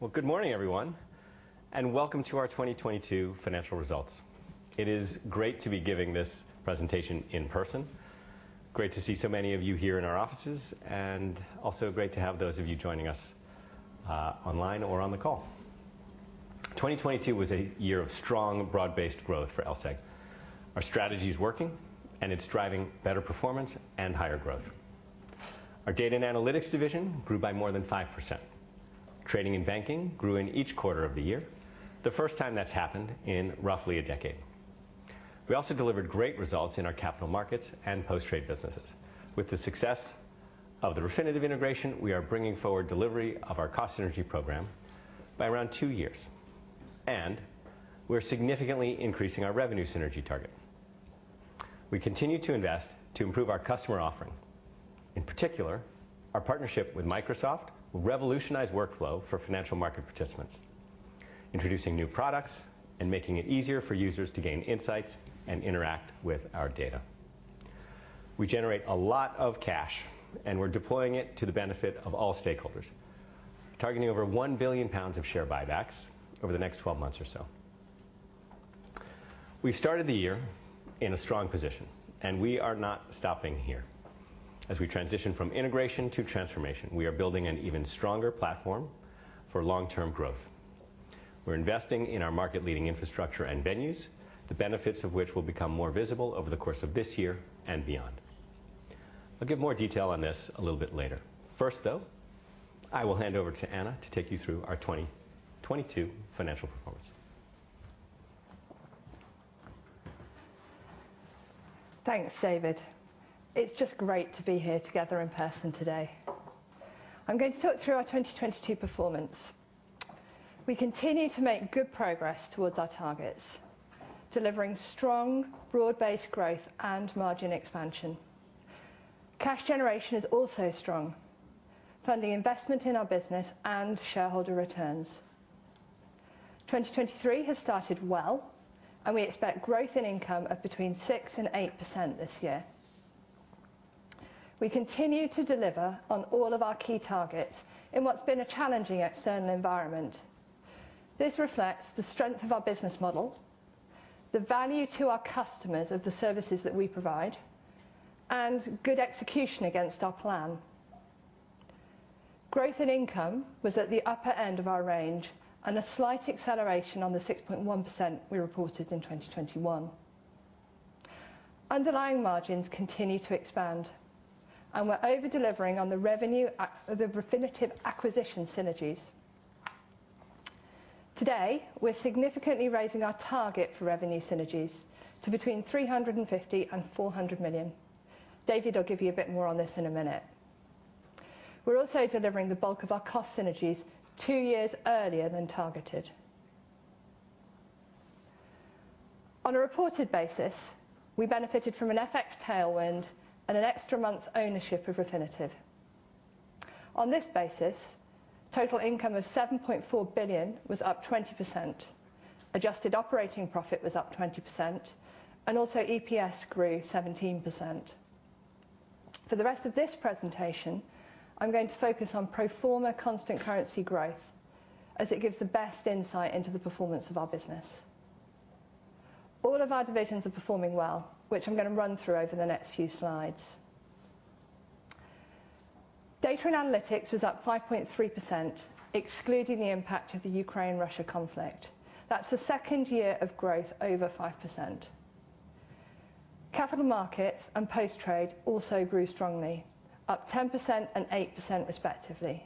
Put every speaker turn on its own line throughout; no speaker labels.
Well, good morning everyone, and welcome to our 2022 financial results. It is great to be giving this presentation in person. Great to see so many of you here in our offices, and also great to have those of you joining us online or on the call. 2022 was a year of strong, broad-based growth for LSEG. Our strategy is working, and it's driving better performance and higher growth. Our Data & Analytics division grew by more than 5%. Trading and banking grew in each quarter of the year, the first time that's happened in roughly a decade. We also delivered great results in our capital markets and post-trade businesses. With the success of the Refinitiv integration, we are bringing forward delivery of our cost synergy program by around 2 years, and we're significantly increasing our revenue synergy target. We continue to invest to improve our customer offering. In particular, our partnership with Microsoft will revolutionize workflow for financial market participants, introducing new products and making it easier for users to gain insights and interact with our data. We generate a lot of cash. We're deploying it to the benefit of all stakeholders. Targeting over 1 billion pounds of share buybacks over the next 12 months or so. We started the year in a strong position. We are not stopping here. As we transition from integration to transformation, we are building an even stronger platform for long-term growth. We're investing in our market leading infrastructure and venues, the benefits of which will become more visible over the course of this year and beyond. I'll give more detail on this a little bit later. Though, I will hand over to Anna to take you through our 2022 financial performance.
Thanks, David. It's just great to be here together in person today. I'm going to talk through our 2022 performance. We continue to make good progress towards our targets, delivering strong broad-based growth and margin expansion. Cash generation is also strong, funding investment in our business and shareholder returns. 2023 has started well, and we expect growth in income of between 6% and 8% this year. We continue to deliver on all of our key targets in what's been a challenging external environment. This reflects the strength of our business model, the value to our customers of the services that we provide, and good execution against our plan. Growth and income was at the upper end of our range and a slight acceleration on the 6.1% we reported in 2021. Underlying margins continue to expand, and we're over-delivering on the revenue the Refinitiv acquisition synergies. Today, we're significantly raising our target for revenue synergies to between 350 million and 400 million. David, I'll give you a bit more on this in a minute. We're also delivering the bulk of our cost synergies two years earlier than targeted. On a reported basis, we benefited from an FX tailwind and an extra month's ownership of Refinitiv. On this basis, total income of 7.4 billion was up 20%. Adjusted operating profit was up 20%, and also EPS grew 17%. For the rest of this presentation, I'm going to focus on pro forma constant currency growth as it gives the best insight into the performance of our business. All of our divisions are performing well, which I'm gonna run through over the next few slides. Data & Analytics was up 5.3%, excluding the impact of the Ukraine-Russia conflict. That's the second year of growth over 5%. Capital Markets and Post Trade also grew strongly, up 10% and 8% respectively.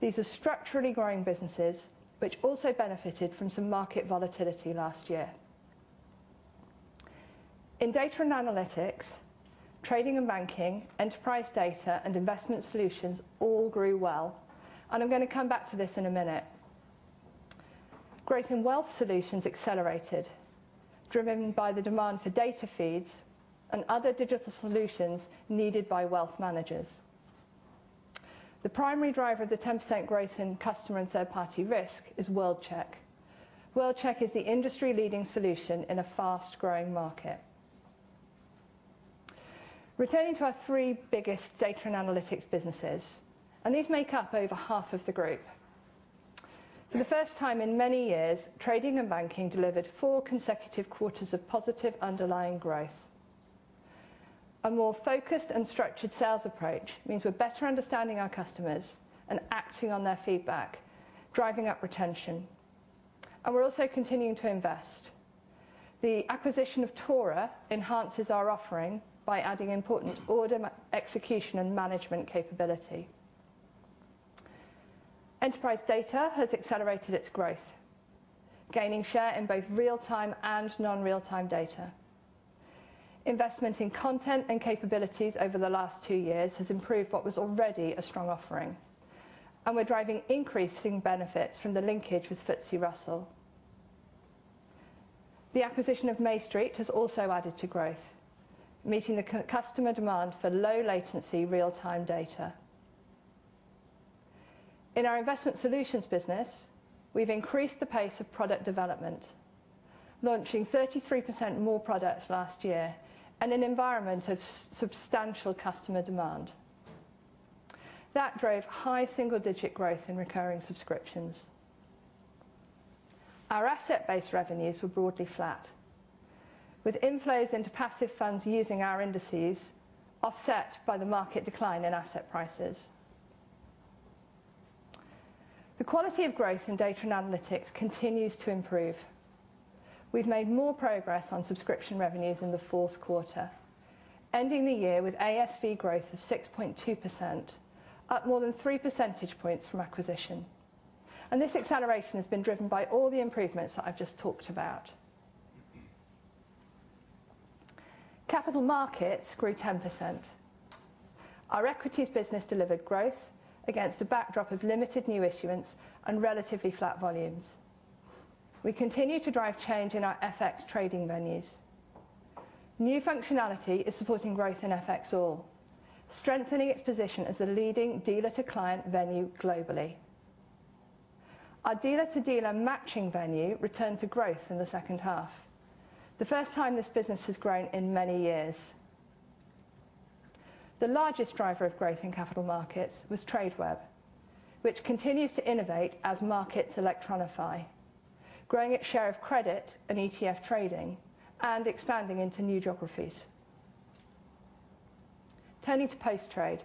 These are structurally growing businesses which also benefited from some market volatility last year. In Data & Analytics, Trading & Banking, Enterprise Data and Investment Solutions all grew well, and I'm gonna come back to this in a minute. Growth in Wealth Solutions accelerated, driven by the demand for data feeds and other digital solutions needed by wealth managers. The primary driver of the 10% growth in Customer & Third-Party Risk is World-Check. World-Check is the industry-leading solution in a fast-growing market. Returning to our three biggest Data & Analytics businesses, these make up over half of the group. For the first time in many years, Trading & Banking delivered four consecutive quarters of positive underlying growth. A more focused and structured sales approach means we're better understanding our customers and acting on their feedback, driving up retention. We're also continuing to invest. The acquisition of TORA enhances our offering by adding important order execution and management capability. Enterprise Data has accelerated its growth, gaining share in both real-time and non-real-time data. Investment in content and capabilities over the last two years has improved what was already a strong offering, and we're driving increasing benefits from the linkage with FTSE Russell. The acquisition of MayStreet has also added to growth, meeting the customer demand for low latency real-time data. In our Investment Solutions business, we've increased the pace of product development. Launching 33% more products last year in an environment of substantial customer demand. That drove high single-digit growth in recurring subscriptions. Our asset-based revenues were broadly flat, with inflows into passive funds using our indices offset by the market decline in asset prices. The quality of growth in Data & Analytics continues to improve. We've made more progress on subscription revenues in the fourth quarter, ending the year with ASV growth of 6.2%, up more than 3 percentage points from acquisition. This acceleration has been driven by all the improvements that I've just talked about. Capital markets grew 10%. Our equities business delivered growth against a backdrop of limited new issuance and relatively flat volumes. We continue to drive change in our FX trading venues. New functionality is supporting growth in FXall, strengthening its position as the leading dealer-to-client venue globally. Our dealer-to-dealer matching venue returned to growth in the second half, the first time this business has grown in many years. The largest driver of growth in capital markets was Tradeweb, which continues to innovate as markets electronify, growing its share of credit and ETF trading and expanding into new geographies. Turning to Post Trade.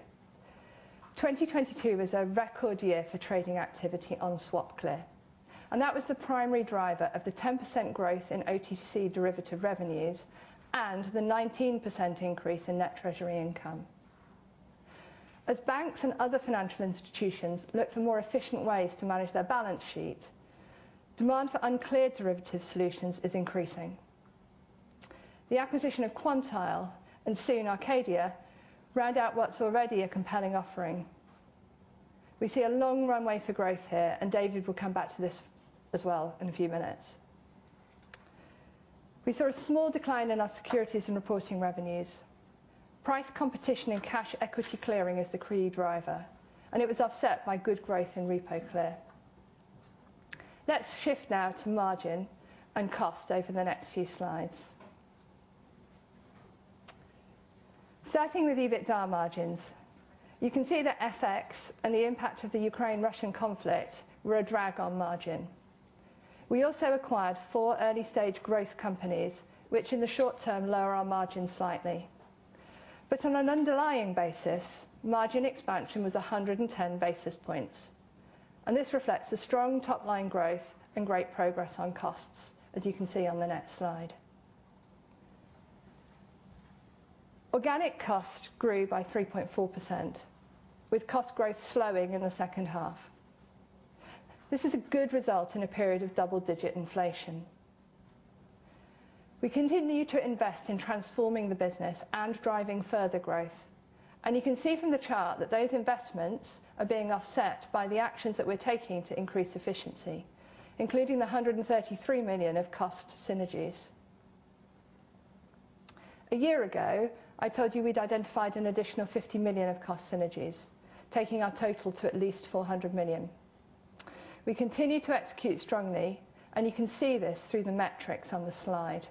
2022 was a record year for trading activity on SwapClear, and that was the primary driver of the 10% growth in OTC derivative revenues and the 19% increase in net treasury income. As banks and other financial institutions look for more efficient ways to manage their balance sheet, demand for uncleared derivative solutions is increasing. The acquisition of Quantile and soon Acadia round out what's already a compelling offering. We see a long runway for growth here, and David will come back to this as well in a few minutes. We saw a small decline in our securities and reporting revenues. Price competition and cash equity clearing is the key driver, and it was offset by good growth in RepoClear. Let's shift now to margin and cost over the next few slides. Starting with EBITDA margins. You can see that FX and the impact of the Ukraine-Russian conflict were a drag on margin. We also acquired 4 early-stage growth companies, which in the short term, lower our margin slightly. On an underlying basis, margin expansion was 110 basis points, and this reflects the strong top-line growth and great progress on costs as you can see on the next slide. Organic cost grew by 3.4%, with cost growth slowing in the second half. This is a good result in a period of double-digit inflation. We continue to invest in transforming the business and driving further growth. You can see from the chart that those investments are being offset by the actions that we're taking to increase efficiency, including the 133 million of cost synergies. A year ago, I told you we'd identified an additional 50 million of cost synergies, taking our total to at least 400 million. We continue to execute strongly. You can see this through the metrics on the slide.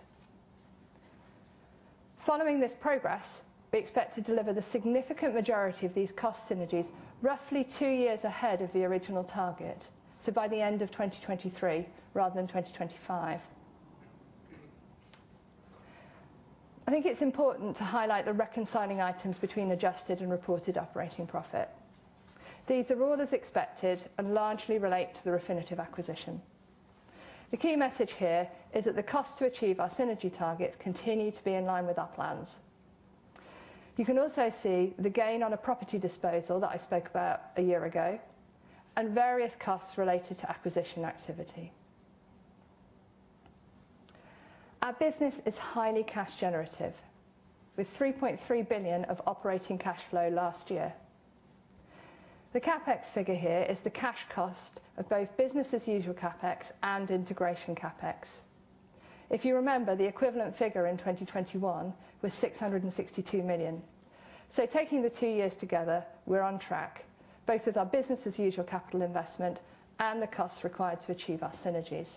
Following this progress, we expect to deliver the significant majority of these cost synergies roughly 2 years ahead of the original target. By the end of 2023 rather than 2025. I think it's important to highlight the reconciling items between adjusted and reported operating profit. These are all as expected and largely relate to the Refinitiv acquisition. The key message here is that the cost to achieve our synergy targets continue to be in line with our plans. You can also see the gain on a property disposal that I spoke about a year ago and various costs related to acquisition activity. Our business is highly cash generative with 3.3 billion of operating cash flow last year. The CapEx figure here is the cash cost of both business-as-usual CapEx and integration CapEx. If you remember, the equivalent figure in 2021 was 662 million. Taking the 2 years together, we're on track both with our business-as-usual capital investment and the cost required to achieve our synergies.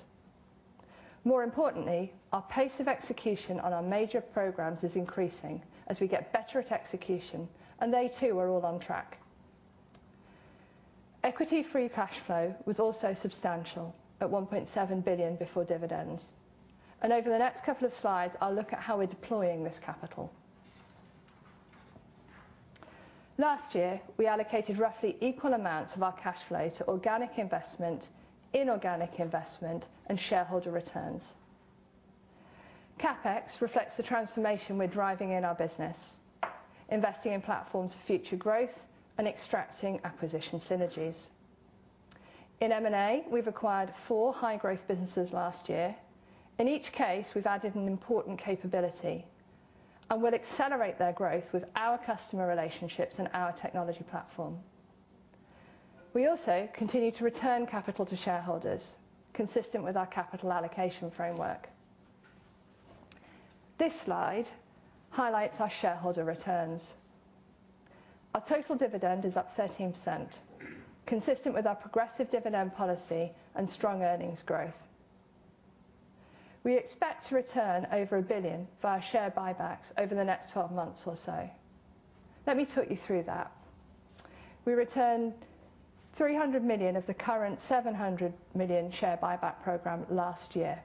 More importantly, our pace of execution on our major programs is increasing as we get better at execution, and they too are all on track. Equity free cash flow was also substantial at 1.7 billion before dividends. Over the next 2 slides, I'll look at how we're deploying this capital. Last year, we allocated roughly equal amounts of our cash flow to organic investment, inorganic investment, and shareholder returns. CapEx reflects the transformation we're driving in our business, investing in platforms for future growth and extracting acquisition synergies. In M&A, we've acquired 4 high-growth businesses last year. In each case, we've added an important capability and will accelerate their growth with our customer relationships and our technology platform. We also continue to return capital to shareholders consistent with our capital allocation framework. This slide highlights our shareholder returns. Our total dividend is up 13%, consistent with our progressive dividend policy and strong earnings growth. We expect to return over 1 billion via share buybacks over the next 12 months or so. Let me talk you through that. We returned 300 million of the current 700 million share buyback program last year.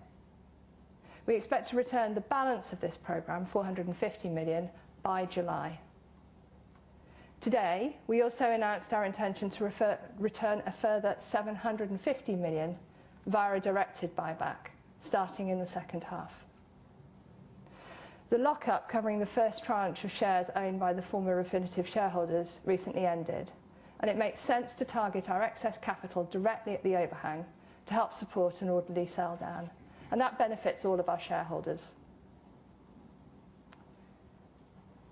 We expect to return the balance of this program, 450 million, by July. Today, we also announced our intention to return a further 750 million via a directed buyback starting in the second half. The lockup covering the first tranche of shares owned by the former Refinitiv shareholders recently ended. It makes sense to target our excess capital directly at the overhang to help support an orderly sell-down. That benefits all of our shareholders.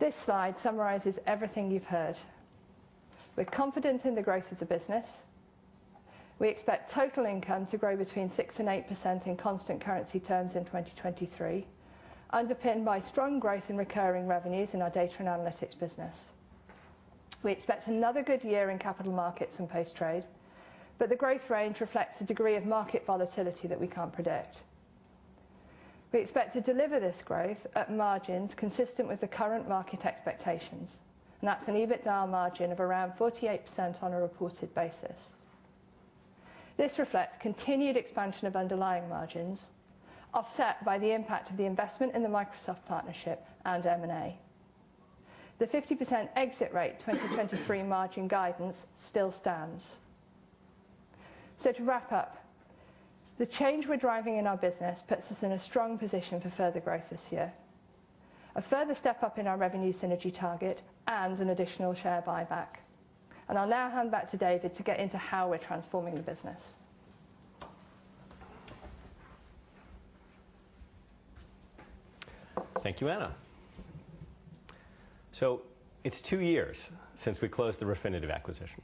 This slide summarizes everything you've heard. We're confident in the growth of the business. We expect total income to grow between 6% and 8% in constant currency terms in 2023, underpinned by strong growth in recurring revenues in our Data & Analytics business. We expect another good year in capital markets and post-trade. The growth range reflects the degree of market volatility that we can't predict. We expect to deliver this growth at margins consistent with the current market expectations. That's an EBITDA margin of around 48% on a reported basis. This reflects continued expansion of underlying margins, offset by the impact of the investment in the Microsoft partnership and M&A. The 50% exit rate 2023 margin guidance still stands. To wrap up, the change we're driving in our business puts us in a strong position for further growth this year. A further step up in our revenue synergy target and an additional share buyback. I'll now hand back to David to get into how we're transforming the business.
Thank you, Anna. It's two years since we closed the Refinitiv acquisition.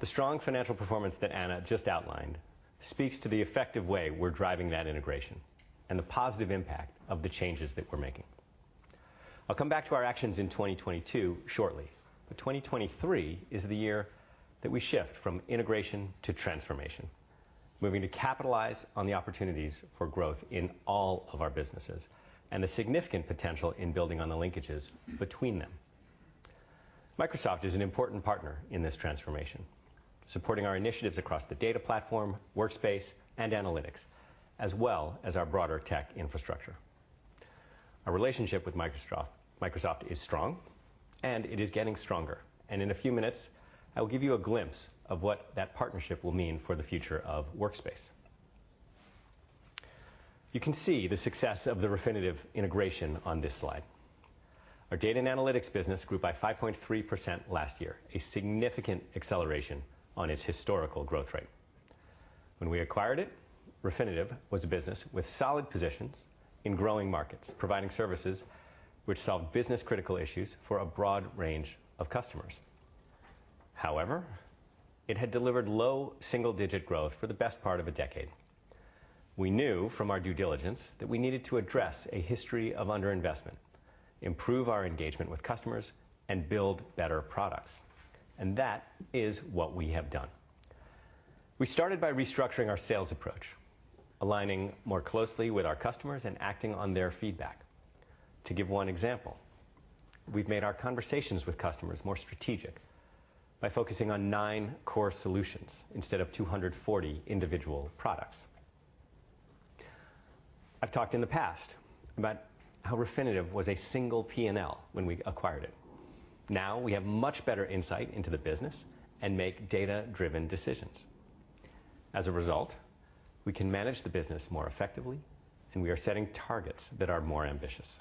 The strong financial performance that Anna just outlined speaks to the effective way we're driving that integration and the positive impact of the changes that we're making. I'll come back to our actions in 2022 shortly, but 2023 is the year that we shift from integration to transformation. Moving to capitalize on the opportunities for growth in all of our businesses and the significant potential in building on the linkages between them. Microsoft is an important partner in this transformation, supporting our initiatives across the data platform, Workspace, and analytics, as well as our broader tech infrastructure. Our relationship with Microsoft is strong, and it is getting stronger. In a few minutes, I will give you a glimpse of what that partnership will mean for the future of Workspace. You can see the success of the Refinitiv integration on this slide. Our Data & Analytics business grew by 5.3% last year, a significant acceleration on its historical growth rate. When we acquired it, Refinitiv was a business with solid positions in growing markets, providing services which solve business-critical issues for a broad range of customers. It had delivered low single-digit growth for the best part of a decade. We knew from our due diligence that we needed to address a history of underinvestment, improve our engagement with customers, and build better products. That is what we have done. We started by restructuring our sales approach, aligning more closely with our customers and acting on their feedback. To give one example, we've made our conversations with customers more strategic by focusing on nine core solutions instead of 240 individual products. I've talked in the past about how Refinitiv was a single P&L when we acquired it. Now we have much better insight into the business and make data-driven decisions. As a result, we can manage the business more effectively, and we are setting targets that are more ambitious.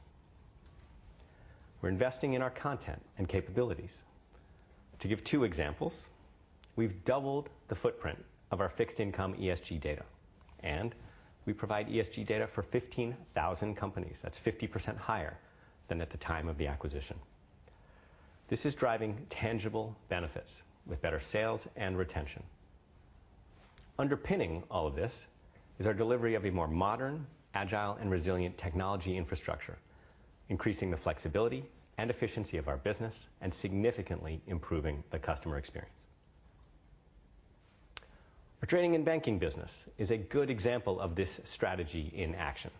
We're investing in our content and capabilities. To give two examples, we've doubled the footprint of our fixed income ESG data, and we provide ESG data for 15,000 companies. That's 50% higher than at the time of the acquisition. This is driving tangible benefits with better sales and retention. Underpinning all of this is our delivery of a more modern, agile, and resilient technology infrastructure, increasing the flexibility and efficiency of our business and significantly improving the customer experience. Our Trading & Banking business is a good example of this strategy in action.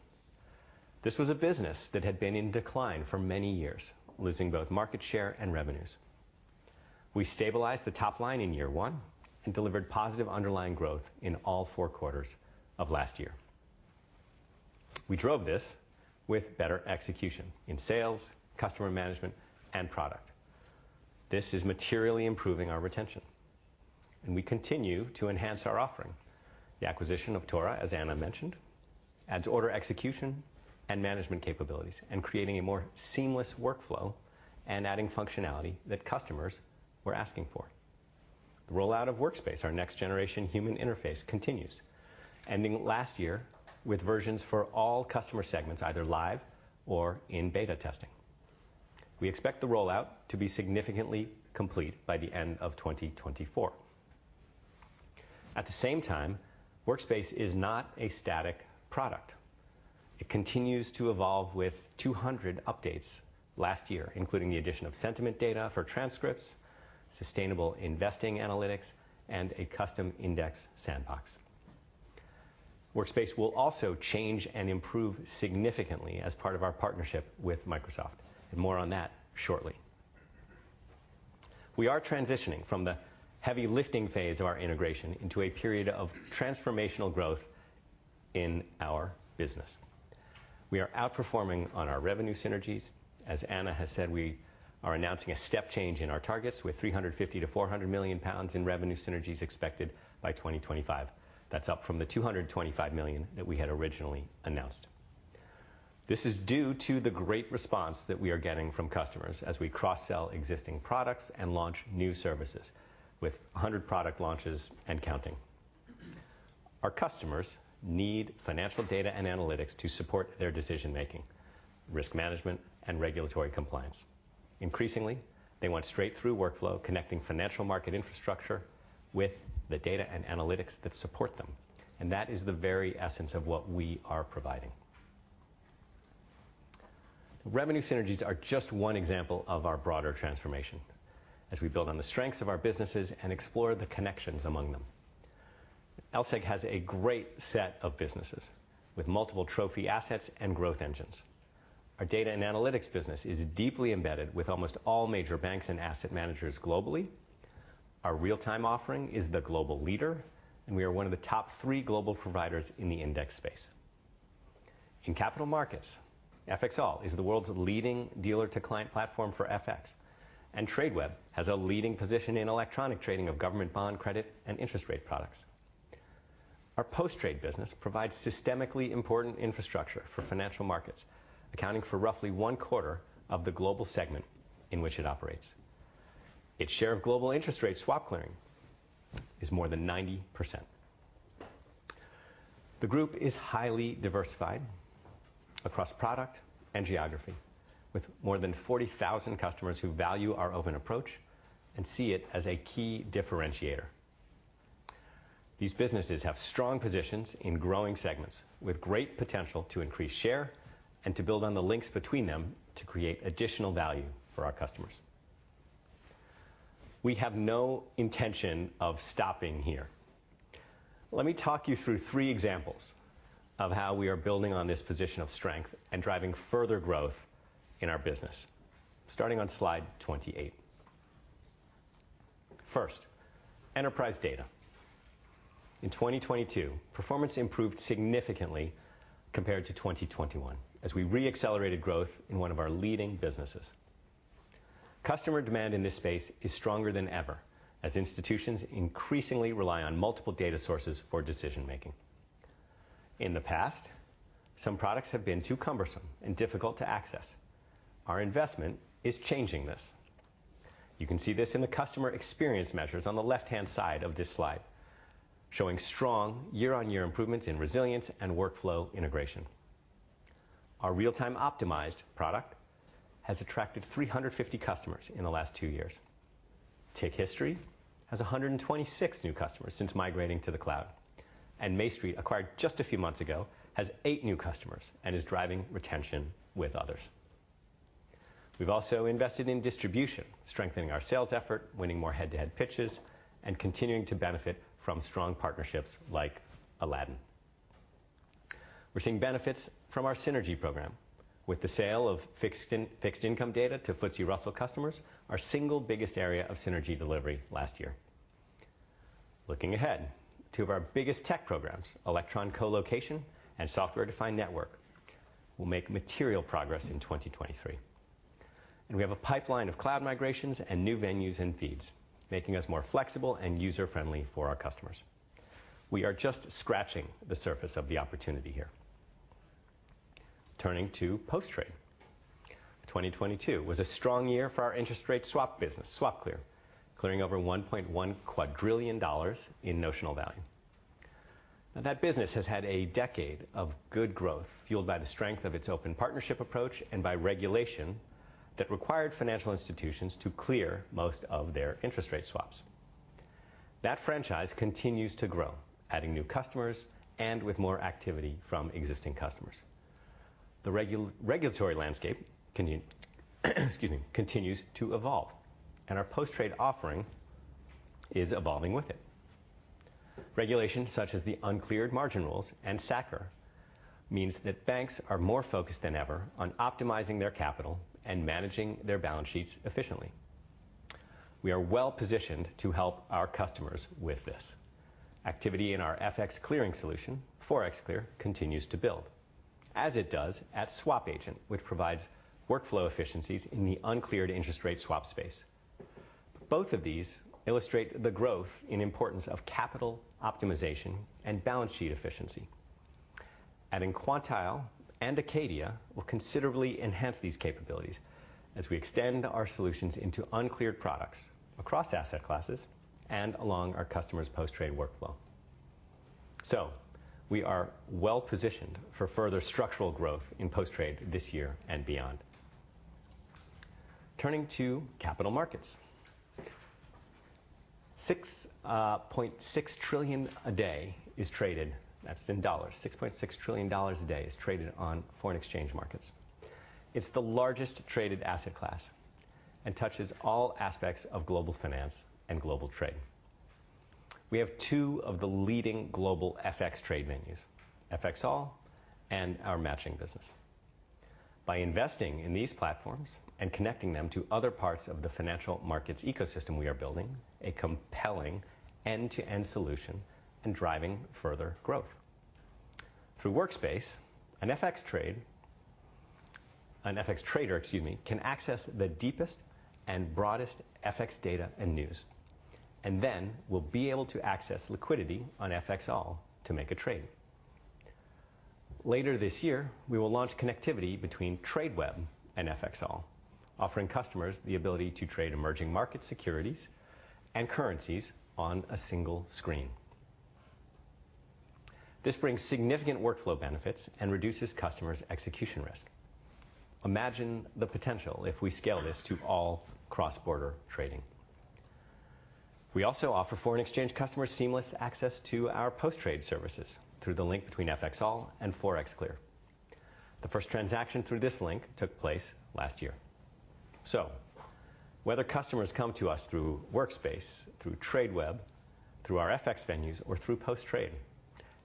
This was a business that had been in decline for many years, losing both market share and revenues. We stabilized the top line in year one and delivered positive underlying growth in all four quarters of last year. We drove this with better execution in sales, customer management, and product. This is materially improving our retention, and we continue to enhance our offering. The acquisition of TORA, as Anna mentioned, adds order execution and management capabilities and creating a more seamless workflow and adding functionality that customers were asking for. The rollout of Workspace, our next-generation human interface, continues, ending last year with versions for all customer segments, either live or in beta testing. We expect the rollout to be significantly complete by the end of 2024. At the same time, Workspace is not a static product. It continues to evolve with 200 updates last year, including the addition of sentiment data for transcripts, sustainable investing analytics and a custom index sandbox. Workspace will also change and improve significantly as part of our partnership with Microsoft. More on that shortly. We are transitioning from the heavy lifting phase of our integration into a period of transformational growth in our business. We are outperforming on our revenue synergies. As Anna has said, we are announcing a step change in our targets with 350 million-400 million pounds in revenue synergies expected by 2025. That's up from the 225 million that we had originally announced. This is due to the great response that we are getting from customers as we cross-sell existing products and launch new services with 100 product launches and counting. Our customers need financial data and analytics to support their decision-making, risk management and regulatory compliance. Increasingly, they want straight-through workflow connecting financial market infrastructure with the data and analytics that support them, and that is the very essence of what we are providing. Revenue synergies are just one example of our broader transformation as we build on the strengths of our businesses and explore the connections among them. LSEG has a great set of businesses with multiple trophy assets and growth engines. Our data and analytics business is deeply embedded with almost all major banks and asset managers globally. Our real-time offering is the global leader, and we are one of the top three global providers in the index space. In capital markets, FXall is the world's leading dealer-to-client platform for FX, and Tradeweb has a leading position in electronic trading of government bond credit and interest rate products. Our post-trade business provides systemically important infrastructure for financial markets, accounting for roughly one quarter of the global segment in which it operates. Its share of global interest rate swap clearing is more than 90%. The group is highly diversified across product and geography, with more than 40,000 customers who value our open approach and see it as a key differentiator. These businesses have strong positions in growing segments with great potential to increase share and to build on the links between them to create additional value for our customers. We have no intention of stopping here. Let me talk you through three examples of how we are building on this position of strength and driving further growth in our business. Starting on slide 28. First, Enterprise Data. In 2022, performance improved significantly compared to 2021 as we re-accelerated growth in one of our leading businesses. Customer demand in this space is stronger than ever as institutions increasingly rely on multiple data sources for decision-making. In the past, some products have been too cumbersome and difficult to access. Our investment is changing this. You can see this in the customer experience measures on the left-hand side of this slide, showing strong year-on-year improvements in resilience and workflow integration. Our Real-Time – Optimized product has attracted 350 customers in the last two years. Tick History has 126 new customers since migrating to the cloud, and MayStreet, acquired just a few months ago, has eight new customers and is driving retention with others. We've also invested in distribution, strengthening our sales effort, winning more head-to-head pitches, and continuing to benefit from strong partnerships like Aladdin. We're seeing benefits from our synergy program with the sale of fixed in-fixed income data to FTSE Russell customers, our single biggest area of synergy delivery last year. Looking ahead, two of our biggest tech programs, Elektron co-location and software-defined network, will make material progress in 2023. We have a pipeline of cloud migrations and new venues and feeds, making us more flexible and user-friendly for our customers. We are just scratching the surface of the opportunity here. Turning to post-trade. 2022 was a strong year for our interest rate swap business, SwapClear, clearing over $1.1 quadrillion in notional value. Now, that business has had a decade of good growth, fueled by the strength of its open partnership approach and by regulation that required financial institutions to clear most of their interest rate swaps. That franchise continues to grow, adding new customers and with more activity from existing customers. The regulatory landscape, excuse me, continues to evolve, and our post-trade offering is evolving with it. Regulations such as the uncleared margin rules and SA-CCR means that banks are more focused than ever on optimizing their capital and managing their balance sheets efficiently. We are well-positioned to help our customers with this. Activity in our FX clearing solution, ForexClear, continues to build, as it does at SwapAgent, which provides workflow efficiencies in the uncleared interest rate swap space. Both of these illustrate the growth and importance of capital optimization and balance sheet efficiency. Adding Quantile and Acadia will considerably enhance these capabilities as we extend our solutions into uncleared products across asset classes and along our customers' post-trade workflow. We are well-positioned for further structural growth in post-trade this year and beyond. Turning to capital markets. $6.6 trillion a day is traded. That's in dollars. $6.6 trillion a day is traded on foreign exchange markets. It's the largest traded asset class and touches all aspects of global finance and global trade. We have two of the leading global FX trade venues, FXall and our matching business. By investing in these platforms and connecting them to other parts of the financial markets ecosystem, we are building a compelling end-to-end solution and driving further growth. Through Workspace, an FX trader, excuse me, can access the deepest and broadest FX data and news, and then will be able to access liquidity on FXall to make a trade. Later this year, we will launch connectivity between Tradeweb and FXall, offering customers the ability to trade emerging market securities and currencies on a single screen. This brings significant workflow benefits and reduces customers' execution risk. Imagine the potential if we scale this to all cross-border trading. We also offer foreign exchange customers seamless access to our post-trade services through the link between FXall and ForexClear. The first transaction through this link took place last year. Whether customers come to us through Workspace, through Tradeweb, through our FX venues, or through post-trade,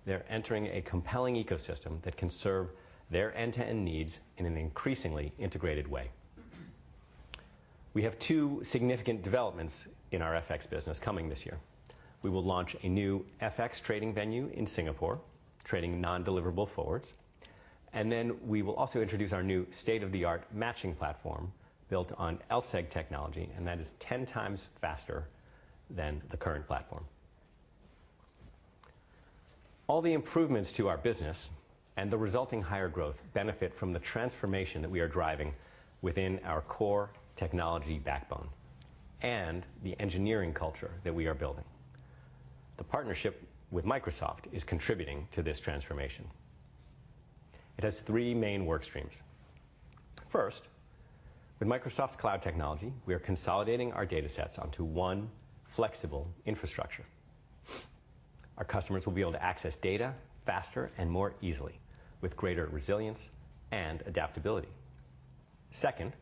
they're entering a compelling ecosystem that can serve their end-to-end needs in an increasingly integrated way. We have two significant developments in our FX business coming this year. We will launch a new FX trading venue in Singapore, trading non-deliverable forwards. We will also introduce our new state-of-the-art matching platform built on LSEG technology, and that is 10 times faster than the current platform. All the improvements to our business and the resulting higher growth benefit from the transformation that we are driving within our core technology backbone and the engineering culture that we are building. The partnership with Microsoft is contributing to this transformation. It has 3 main work streams. First, with Microsoft's cloud technology, we are consolidating our datasets onto 1 flexible infrastructure. Our customers will be able to access data faster and more easily with greater resilience and adaptability. Second,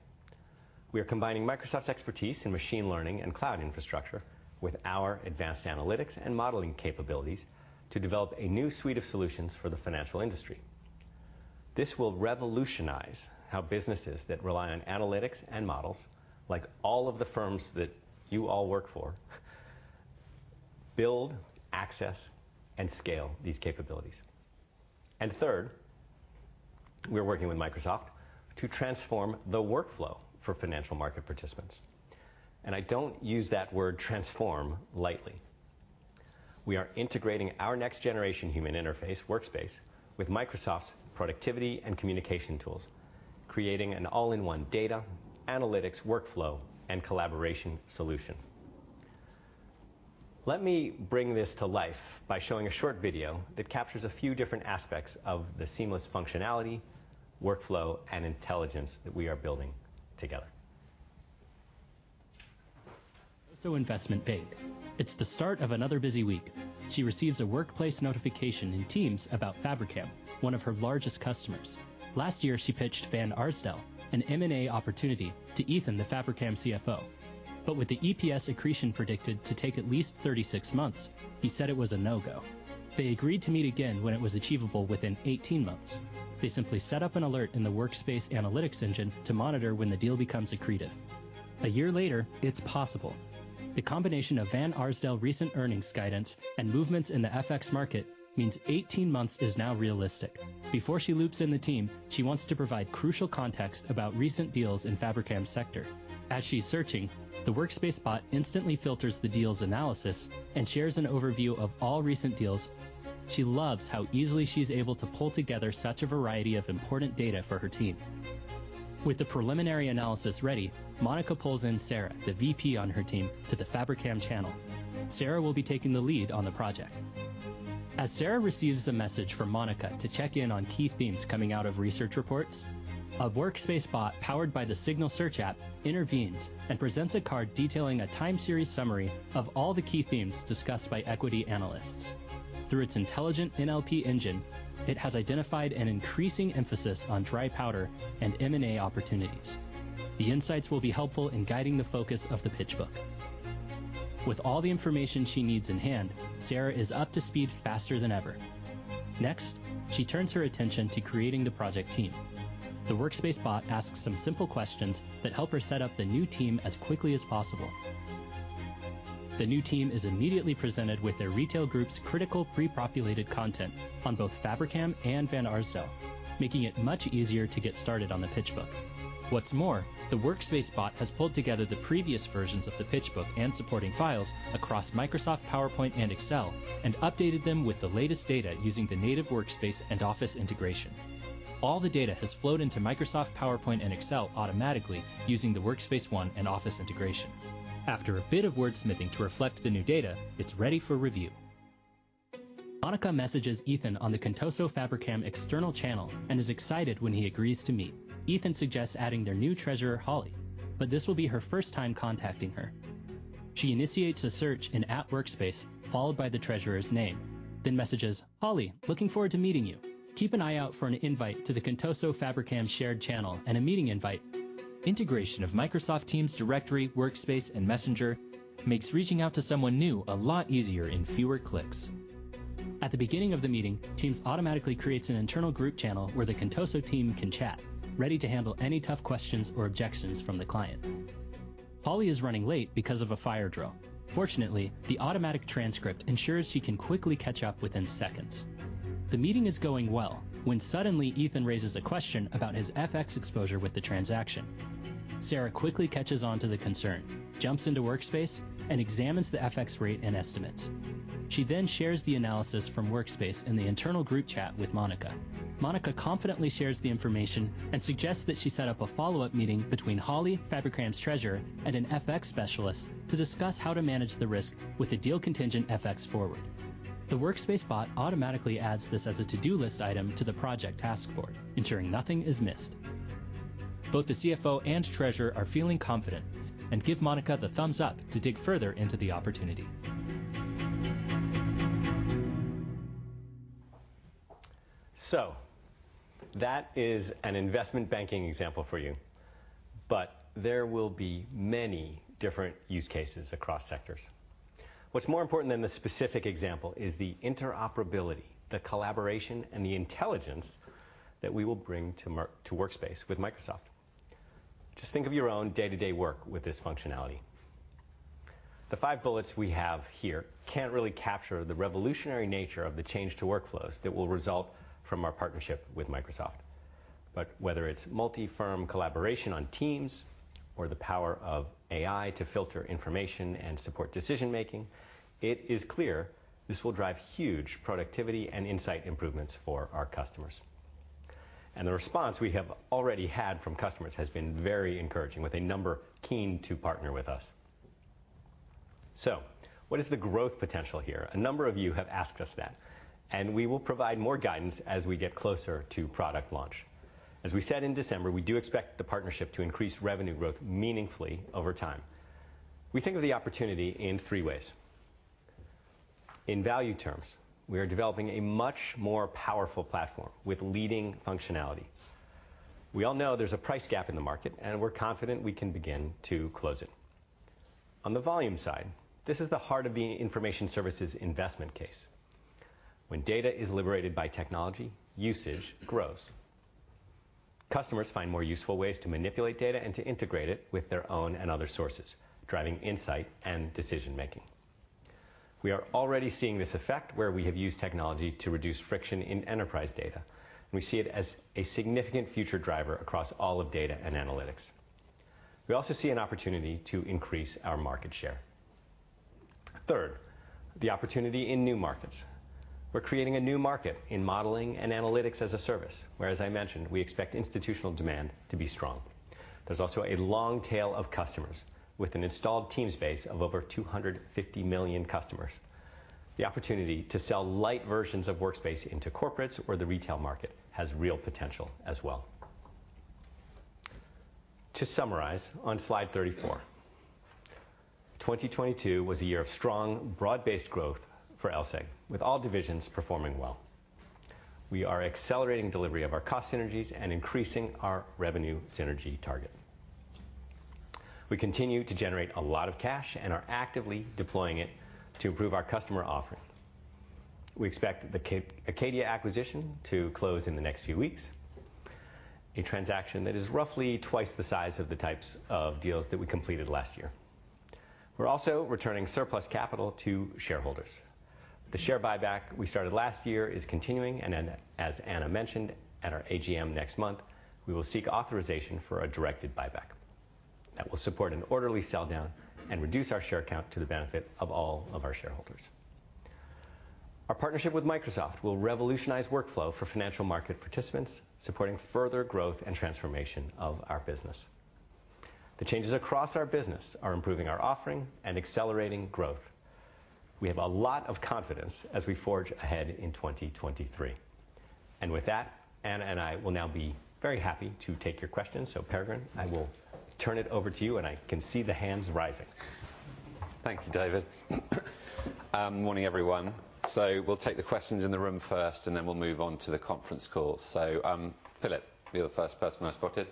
we are combining Microsoft's expertise in machine learning and cloud infrastructure with our advanced analytics and modeling capabilities to develop a new suite of solutions for the financial industry. This will revolutionize how businesses that rely on analytics and models, like all of the firms that you all work for, build, access, and scale these capabilities. Third, we're working with Microsoft to transform the workflow for financial market participants. I don't use that word transform lightly. We are integrating our next generation human interface, Workspace, with Microsoft's productivity and communication tools, creating an all-in-one data analytics workflow and collaboration solution. Let me bring this to life by showing a short video that captures a few different aspects of the seamless functionality, workflow, and intelligence that we are building together.
Investment bank. It's the start of another busy week. She receives a Workspace notification in Microsoft Teams about Fabrikam, one of her largest customers. Last year, she pitched Van Arsdale, an M&A opportunity, to Ethan, the Fabrikam CFO. With the EPS accretion predicted to take at least 36 months, he said it was a no-go. They agreed to meet again when it was achievable within 18 months. They simply set up an alert in the Workspace analytics engine to monitor when the deal becomes accretive. 1 year later, it's possible. The combination of Van Arsdale recent earnings guidance and movements in the FX market means 18 months is now realistic. Before she loops in the team, she wants to provide crucial context about recent deals in Fabrikam's sector. As she's searching, the Workspace bot instantly filters the deals analysis and shares an overview of all recent deals. She loves how easily she's able to pull together such a variety of important data for her team. With the preliminary analysis ready, Monica pulls in Sarah, the VP on her team, to the Fabrikam channel. Sarah will be taking the lead on the project. As Sarah receives a message from Monica to check in on key themes coming out of research reports, a Workspace bot powered by the Signal Search app intervenes and presents a card detailing a time series summary of all the key themes discussed by equity analysts. Through its intelligent NLP engine, it has identified an increasing emphasis on dry powder and M&A opportunities. The insights will be helpful in guiding the focus of the pitch book. With all the information she needs in hand, Sarah is up to speed faster than ever. Next, she turns her attention to creating the project team. The Workspace bot asks some simple questions that help her set up the new team as quickly as possible. The new team is immediately presented with their retail group's critical pre-populated content on both Fabrikam and Van Arsdale, making it much easier to get started on the pitch book. What's more, the Workspace bot has pulled together the previous versions of the pitch book and supporting files across Microsoft PowerPoint and Excel and updated them with the latest data using the native Workspace and Office integration. All the data has flowed into Microsoft PowerPoint and Excel automatically using the Workspace One and Office integration. After a bit of wordsmithing to reflect the new data, it's ready for review. Monica messages Ethan on the Contoso Fabrikam external channel and is excited when he agrees to meet. Ethan suggests adding their new treasurer, Holly, but this will be her first time contacting her. She initiates a search in app Workspace, followed by the treasurer's name, then messages, "Holly, looking forward to meeting you. Keep an eye out for an invite to the Contoso Fabrikam shared channel and a meeting invite." Integration of Microsoft Teams directory, Workspace, and Messenger makes reaching out to someone new a lot easier in fewer clicks. At the beginning of the meeting, Teams automatically creates an internal group channel where the Contoso team can chat, ready to handle any tough questions or objections from the client. Holly is running late because of a fire drill. Fortunately, the automatic transcript ensures she can quickly catch up within seconds. The meeting is going well when suddenly Ethan raises a question about his FX exposure with the transaction. Sarah quickly catches on to the concern, jumps into Workspace, and examines the FX rate and estimates. She shares the analysis from Workspace in the internal group chat with Monica. Monica confidently shares the information and suggests that she set up a follow-up meeting between Holly, Fabrikam's treasurer, and an FX specialist to discuss how to manage the risk with a deal-contingent FX forward. The Workspace bot automatically adds this as a to-do list item to the project task board, ensuring nothing is missed. Both the CFO and treasurer are feeling confident and give Monica the thumbs up to dig further into the opportunity.
That is an investment banking example for you, but there will be many different use cases across sectors. What's more important than the specific example is the interoperability, the collaboration, and the intelligence that we will bring to Workspace with Microsoft. Just think of your own day-to-day work with this functionality. The five bullets we have here can't really capture the revolutionary nature of the change to workflows that will result from our partnership with Microsoft. Whether it's multi-firm collaboration on Teams or the power of AI to filter information and support decision-making, it is clear this will drive huge productivity and insight improvements for our customers. The response we have already had from customers has been very encouraging, with a number keen to partner with us. What is the growth potential here? A number of you have asked us that, and we will provide more guidance as we get closer to product launch. As we said in December, we do expect the partnership to increase revenue growth meaningfully over time. We think of the opportunity in three ways. In value terms, we are developing a much more powerful platform with leading functionality. We all know there's a price gap in the market, and we're confident we can begin to close it. On the volume side, this is the heart of the information services investment case. When data is liberated by technology, usage grows. Customers find more useful ways to manipulate data and to integrate it with their own and other sources, driving insight and decision-making. We are already seeing this effect where we have used technology to reduce friction in Enterprise Data, and we see it as a significant future driver across all of Data & Analytics. We also see an opportunity to increase our market share. Third, the opportunity in new markets. We're creating a new market in modeling and analytics as a service, where, as I mentioned, we expect institutional demand to be strong. There's also a long tail of customers. With an installed Teams base of over 250 million customers, the opportunity to sell light versions of Workspace into corporates or the retail market has real potential as well. To summarize, on slide 34. 2022 was a year of strong, broad-based growth for LSEG, with all divisions performing well. We are accelerating delivery of our cost synergies and increasing our revenue synergy target. We continue to generate a lot of cash and are actively deploying it to improve our customer offering. We expect the Acadia acquisition to close in the next few weeks, a transaction that is roughly twice the size of the types of deals that we completed last year. We're also returning surplus capital to shareholders. The share buyback we started last year is continuing. As Anna mentioned at our AGM next month, we will seek authorization for a directed buyback that will support an orderly sell-down and reduce our share count to the benefit of all of our shareholders. Our partnership with Microsoft will revolutionize workflow for financial market participants, supporting further growth and transformation of our business. The changes across our business are improving our offering and accelerating growth. We have a lot of confidence as we forge ahead in 2023. With that, Anna and I will now be very happy to take your questions. Peregrine, I will turn it over to you, and I can see the hands rising.
Thank you, David. Morning, everyone. We'll take the questions in the room first, and then we'll move on to the conference call. Philip, you're the first person I spotted.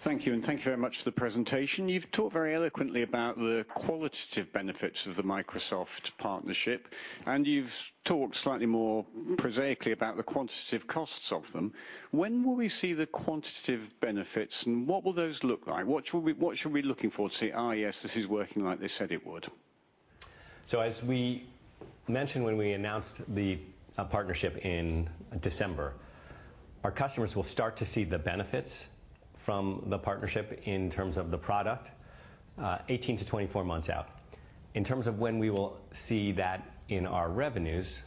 Thank you. Thank you, thank you very much for the presentation. You've talked very eloquently about the qualitative benefits of the Microsoft partnership, you've talked slightly more prosaically about the quantitative costs of them. When will we see the quantitative benefits, what will those look like? What should we be looking for to say, "yes, this is working like they said it would"?
As we mentioned when we announced the partnership in December, our customers will start to see the benefits from the partnership in terms of the product, 18 to 24 months out. In terms of when we will see that in our revenues,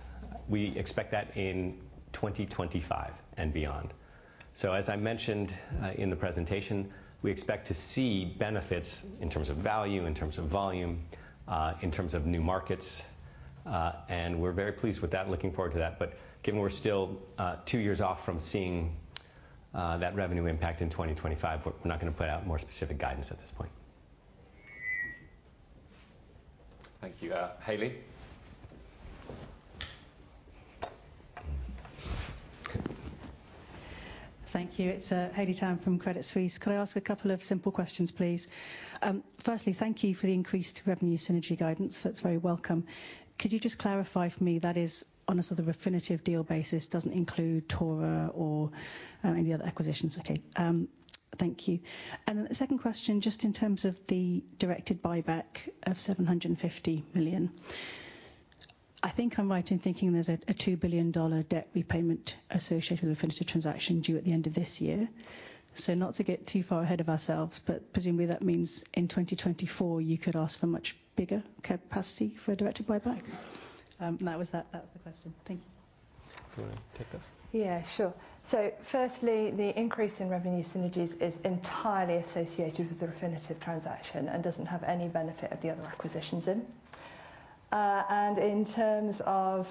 we expect that in 2025 and beyond. As I mentioned, in the presentation, we expect to see benefits in terms of value, in terms of volume, in terms of new markets, and we're very pleased with that, looking forward to that. Given we're still two years off from seeing that revenue impact in 2025, we're not gonna put out more specific guidance at this point.
Thank you. Haley.
Thank you. It's Haley Tam from Credit Suisse. Could I ask a couple of simple questions, please? Firstly, thank you for the increased revenue synergy guidance. That's very welcome. Could you just clarify for me, that is on a sort of Refinitiv deal basis, doesn't include TORA or any other acquisitions? Okay. Thank you. The second question, just in terms of the directed buyback of 750 million, I think I'm right in thinking there's a $2 billion debt repayment associated with Refinitiv transaction due at the end of this year. Not to get too far ahead of ourselves, but presumably that means in 2024, you could ask for much bigger capacity for a directed buyback. That was the question. Thank you.
You wanna take this?
Yeah, sure. Firstly, the increase in revenue synergies is entirely associated with the Refinitiv transaction and doesn't have any benefit of the other acquisitions in. In terms of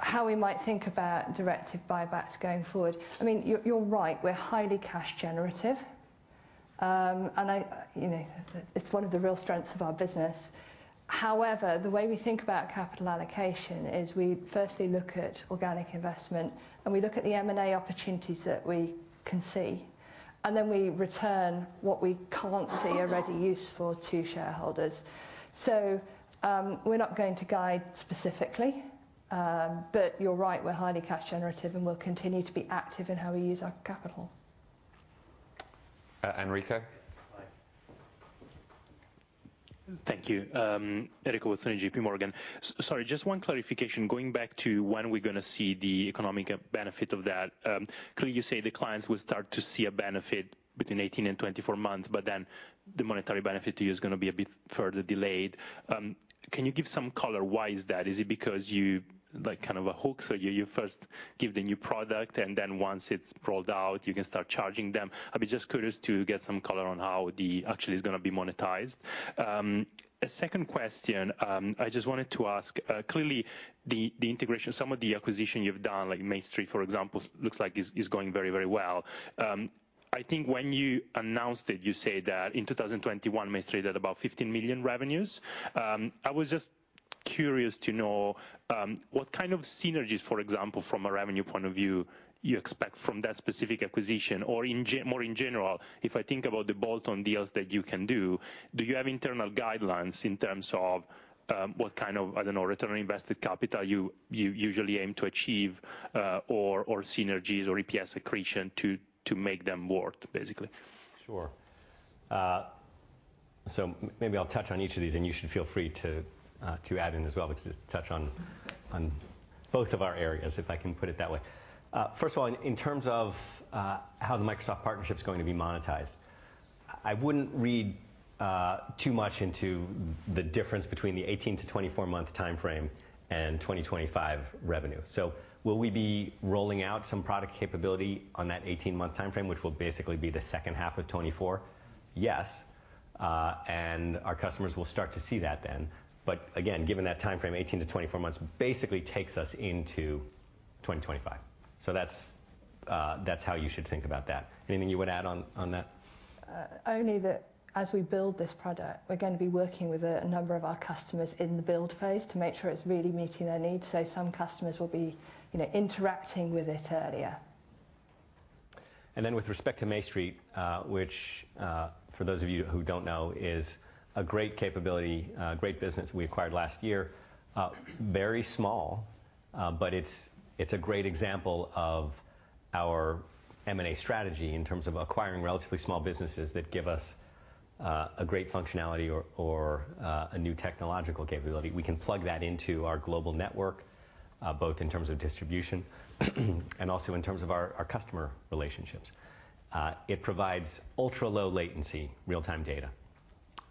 how we might think about directed buybacks going forward, I mean, you're right. We're highly cash generative. I, you know, it's one of the real strengths of our business. However, the way we think about capital allocation is we firstly look at organic investment, and we look at the M&A opportunities that we can see, and then we return what we can't see a ready use for to shareholders. We're not going to guide specifically, but you're right, we're highly cash generative, and we'll continue to be active in how we use our capital.
Enrico.
Thank you. Enrico with JP Morgan. Sorry, just one clarification. Going back to when we're gonna see the economic benefit of that, clearly you say the clients will start to see a benefit between 18 and 24 months, but then the monetary benefit to you is gonna be a bit further delayed. Can you give some color why is that? Is it because you like kind of a hook, so you first give the new product, and then once it's rolled out, you can start charging them? I'd be just curious to get some color on how the actually is gonna be monetized. A second question, I just wanted to ask, clearly the integration, some of the acquisition you've done, like MayStreet, for example, looks like is going very well. I think when you announced it, you said that in 2021, MayStreet had about 15 million revenues. I was just curious to know what kind of synergies, for example, from a revenue point of view, you expect from that specific acquisition? Or more in general, if I think about the bolt-on deals that you can do you have internal guidelines in terms of what kind of, I don't know, return on invested capital you usually aim to achieve, or synergies or EPS accretion to make them work, basically?
Sure. Maybe I'll touch on each of these, and you should feel free to add in as well because it touch on both of our areas, if I can put it that way. First of all, in terms of how the Microsoft partnership's going to be monetized, I wouldn't read too much into the difference between the 18-24-month timeframe and 2025 revenue. Will we be rolling out some product capability on that 18-month timeframe, which will basically be the second half of 2024? Yes. And our customers will start to see that then. Again, given that timeframe, 18-24 months basically takes us into 2025. That's how you should think about that. Anything you wanna add on that?
Only that as we build this product, we're gonna be working with a number of our customers in the build phase to make sure it's really meeting their needs. Some customers will be, you know, interacting with it earlier.
With respect to MayStreet, which, for those of you who don't know, is a great capability, great business we acquired last year. Very small, but it's a great example of our M&A strategy in terms of acquiring relatively small businesses that give us a great functionality or, a new technological capability. We can plug that into our global network, both in terms of distribution, and also in terms of our customer relationships. It provides ultra-low latency real-time data.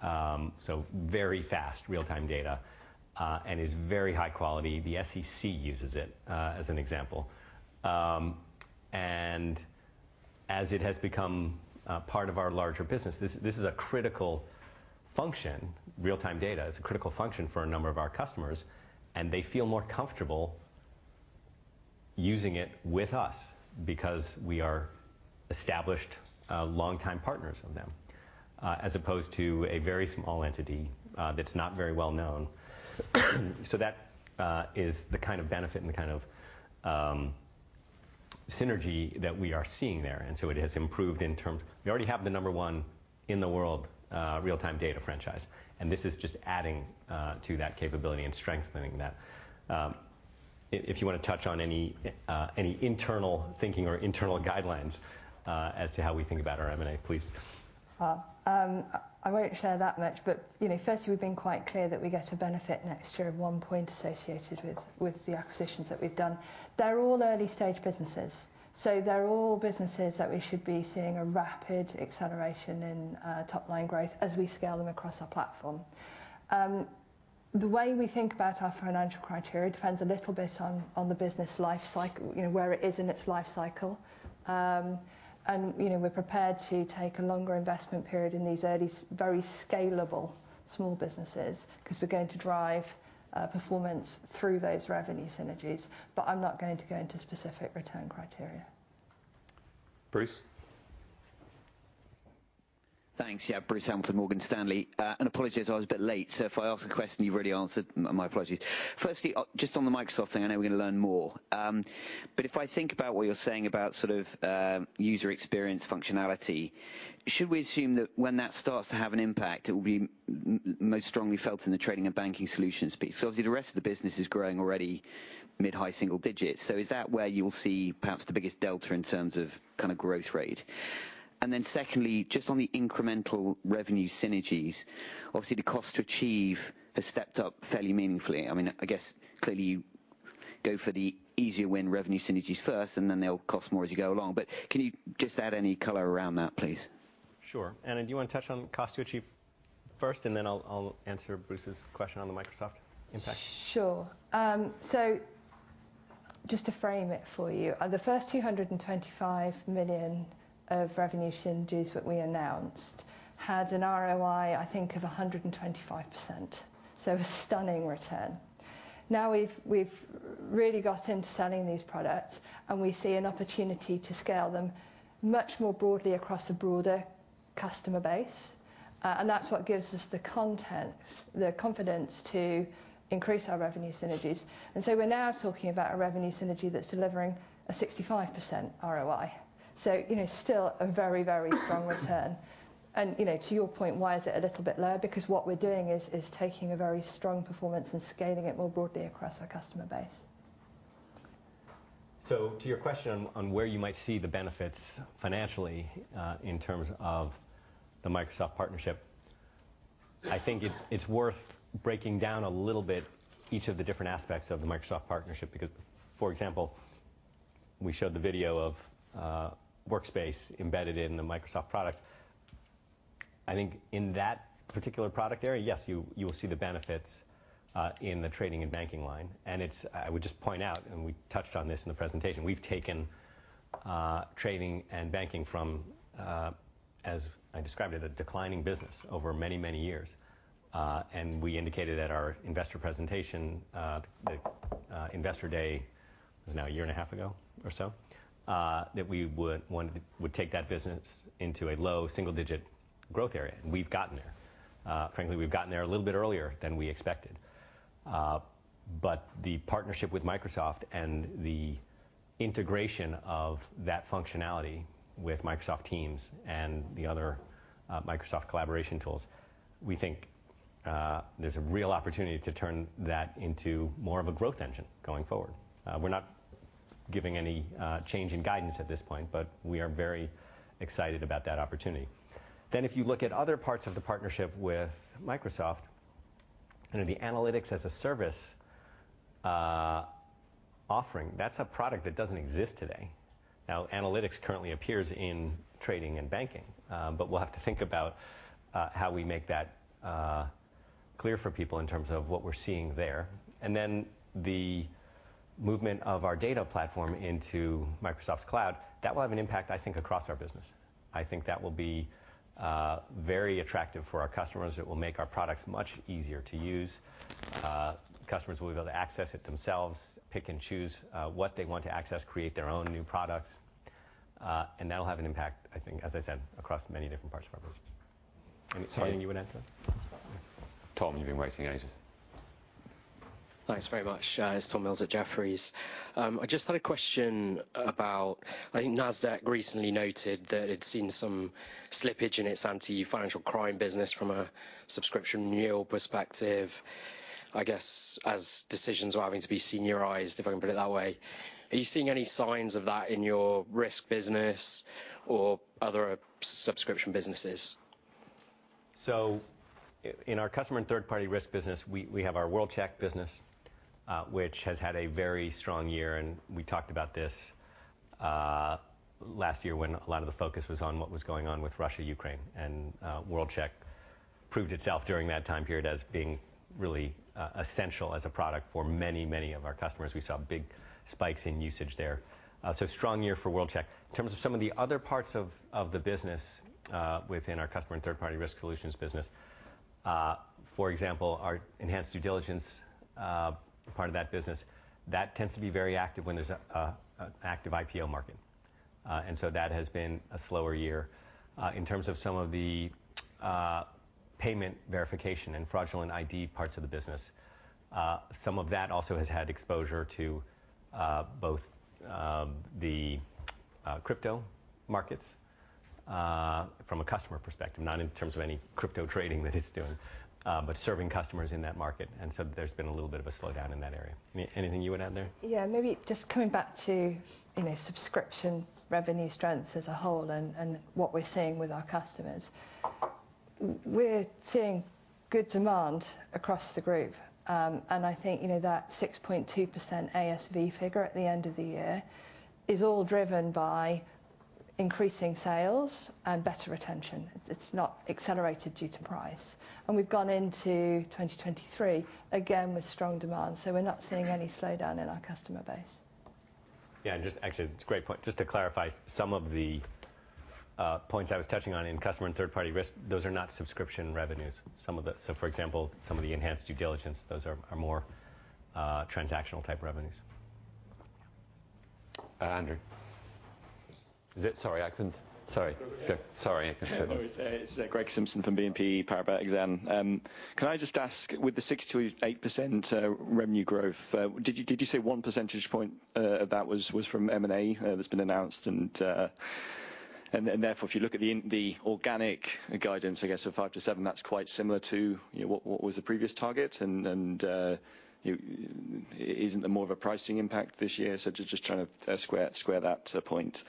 So very fast real-time data, and is very high quality. The SEC uses it as an example. As it has become part of our larger business, this is a critical function. Real-time data is a critical function for a number of our customers, and they feel more comfortable using it with us because we are established, longtime partners of them, as opposed to a very small entity, that's not very well known. That is the kind of benefit and the kind of synergy that we are seeing there. It has improved. We already have the number one in the world real-time data franchise. This is just adding to that capability and strengthening that. If you wanna touch on any internal thinking or internal guidelines, as to how we think about our M&A, please.
Well, I won't share that much, you know, firstly, we've been quite clear that we get a benefit next year of 1 point associated with the acquisitions that we've done. They're all early-stage businesses, they're all businesses that we should be seeing a rapid acceleration in top-line growth as we scale them across our platform. The way we think about our financial criteria depends a little bit on the business life cycle, you know, where it is in its life cycle. You know, we're prepared to take a longer investment period in these very scalable small businesses, 'cause we're going to drive performance through those revenue synergies. I'm not going to go into specific return criteria.
Bruce?
Thanks. Yeah, Bruce Hamilton, Morgan Stanley. Apologies, I was a bit late, so if I ask a question you've already answered, my apologies. Firstly, just on the Microsoft thing, I know we're gonna learn more, if I think about what you're saying about sort of user experience functionality, should we assume that when that starts to have an impact, it will be most strongly felt in the Trading & Banking solutions piece? Obviously the rest of the business is growing already mid-high single digits. Is that where you'll see perhaps the biggest delta in terms of kind of growth rate? Secondly, just on the incremental revenue synergies, obviously the cost to achieve has stepped up fairly meaningfully. I mean, I guess clearly you go for the easier win revenue synergies first, and then they'll cost more as you go along. Can you just add any color around that, please?
Sure. Anna, do you wanna touch on cost to achieve first, and then I'll answer Bruce's question on the Microsoft impact?
Sure. Just to frame it for you, the first 225 million of revenue synergies that we announced had an ROI, I think of 125%. A stunning return. Now we've really got into selling these products, and we see an opportunity to scale them much more broadly across a broader customer base. That's what gives us the confidence to increase our revenue synergies. We're now talking about a revenue synergy that's delivering a 65% ROI. You know, still a very, very strong return. You know, to your point, why is it a little bit lower? Because what we're doing is taking a very strong performance and scaling it more broadly across our customer base.
To your question on where you might see the benefits financially, in terms of the Microsoft partnership, I think it's worth breaking down a little bit each of the different aspects of the Microsoft partnership, because for example, we showed the video of Workspace embedded in the Microsoft products. I think in that particular product area, yes, you will see the benefits in the Trading & Banking line. I would just point out, and we touched on this in the presentation. We've taken Trading & Banking from, as I described it, a declining business over many, many years. We indicated at our investor presentation, the Investor Day was now a year and a half ago or so, that we would take that business into a low double digit growth area, and we've gotten there. Frankly, we've gotten there a little bit earlier than we expected. The partnership with Microsoft and the integration of that functionality with Microsoft Teams and the other Microsoft collaboration tools, we think, there's a real opportunity to turn that into more of a growth engine going forward. We're not giving any change in guidance at this point, but we are very excited about that opportunity. If you look at other parts of the partnership with Microsoft, you know, the analytics as a service offering, that's a product that doesn't exist today. Analytics currently appears in Trading & Banking, but we'll have to think about how we make that clear for people in terms of what we're seeing there. The movement of our data platform into Microsoft's cloud, that will have an impact, I think, across our business. I think that will be very attractive for our customers. It will make our products much easier to use. Customers will be able to access it themselves, pick and choose what they want to access, create their own new products, and that'll have an impact, I think, as I said, across many different parts of our business. Anything you would add to that?
Tom, you've been waiting ages.
Thanks very much. It's Tom Mills at Jefferies. I just had a question about, I think Nasdaq recently noted that it's seen some slippage in its anti-financial crime business from a subscription renewal perspective, I guess, as decisions are having to be seniorized, if I can put it that way. Are you seeing any signs of that in your risk business or other subscription businesses?
In our Customer & Third-Party Risk business, we have our World-Check business, which has had a very strong year, and we talked about this last year when a lot of the focus was on what was going on with Russia, Ukraine. World-Check proved itself during that time period as being really essential as a product for many of our customers. We saw big spikes in usage there. Strong year for World-Check. In terms of some of the other parts of the business, within our Customer & Third-Party Risk solutions business, for example, our enhanced due diligence, part of that business, that tends to be very active when there's a active IPO market. That has been a slower year. In terms of some of the, payment verification and fraudulent ID parts of the business, some of that also has had exposure to both the crypto markets, from a customer perspective, not in terms of any crypto trading that it's doing, but serving customers in that market. And so there's been a little bit of a slowdown in that area. Any-anything you would add there?
Yeah. Maybe just coming back to, you know, subscription revenue strength as a whole and what we're seeing with our customers. We're seeing good demand across the group. I think, you know, that 6.2% ASV figure at the end of the year is all driven by increasing sales and better retention. It's not accelerated due to price. We've gone into 2023 again with strong demand, so we're not seeing any slowdown in our customer base.
Yeah, just actually, it's a great point. Just to clarify, some of the points I was touching on in Customer & Third-Party Risk, those are not subscription revenues. So for example, some of the enhanced due diligence, those are more transactional type revenues.
Andrew. Is it? Sorry, I couldn't. Go. Sorry. I couldn't see you.
No, it's Greg Simpson from BNP Paribas Exane. Can I just ask, with the 6.8% revenue growth, did you say 1 percentage point of that was from M&A that's been announced and then therefore if you look at the organic guidance, I guess at 5%-7%, that's quite similar to, you know, what was the previous target and isn't there more of a pricing impact this year? Just trying to square that point.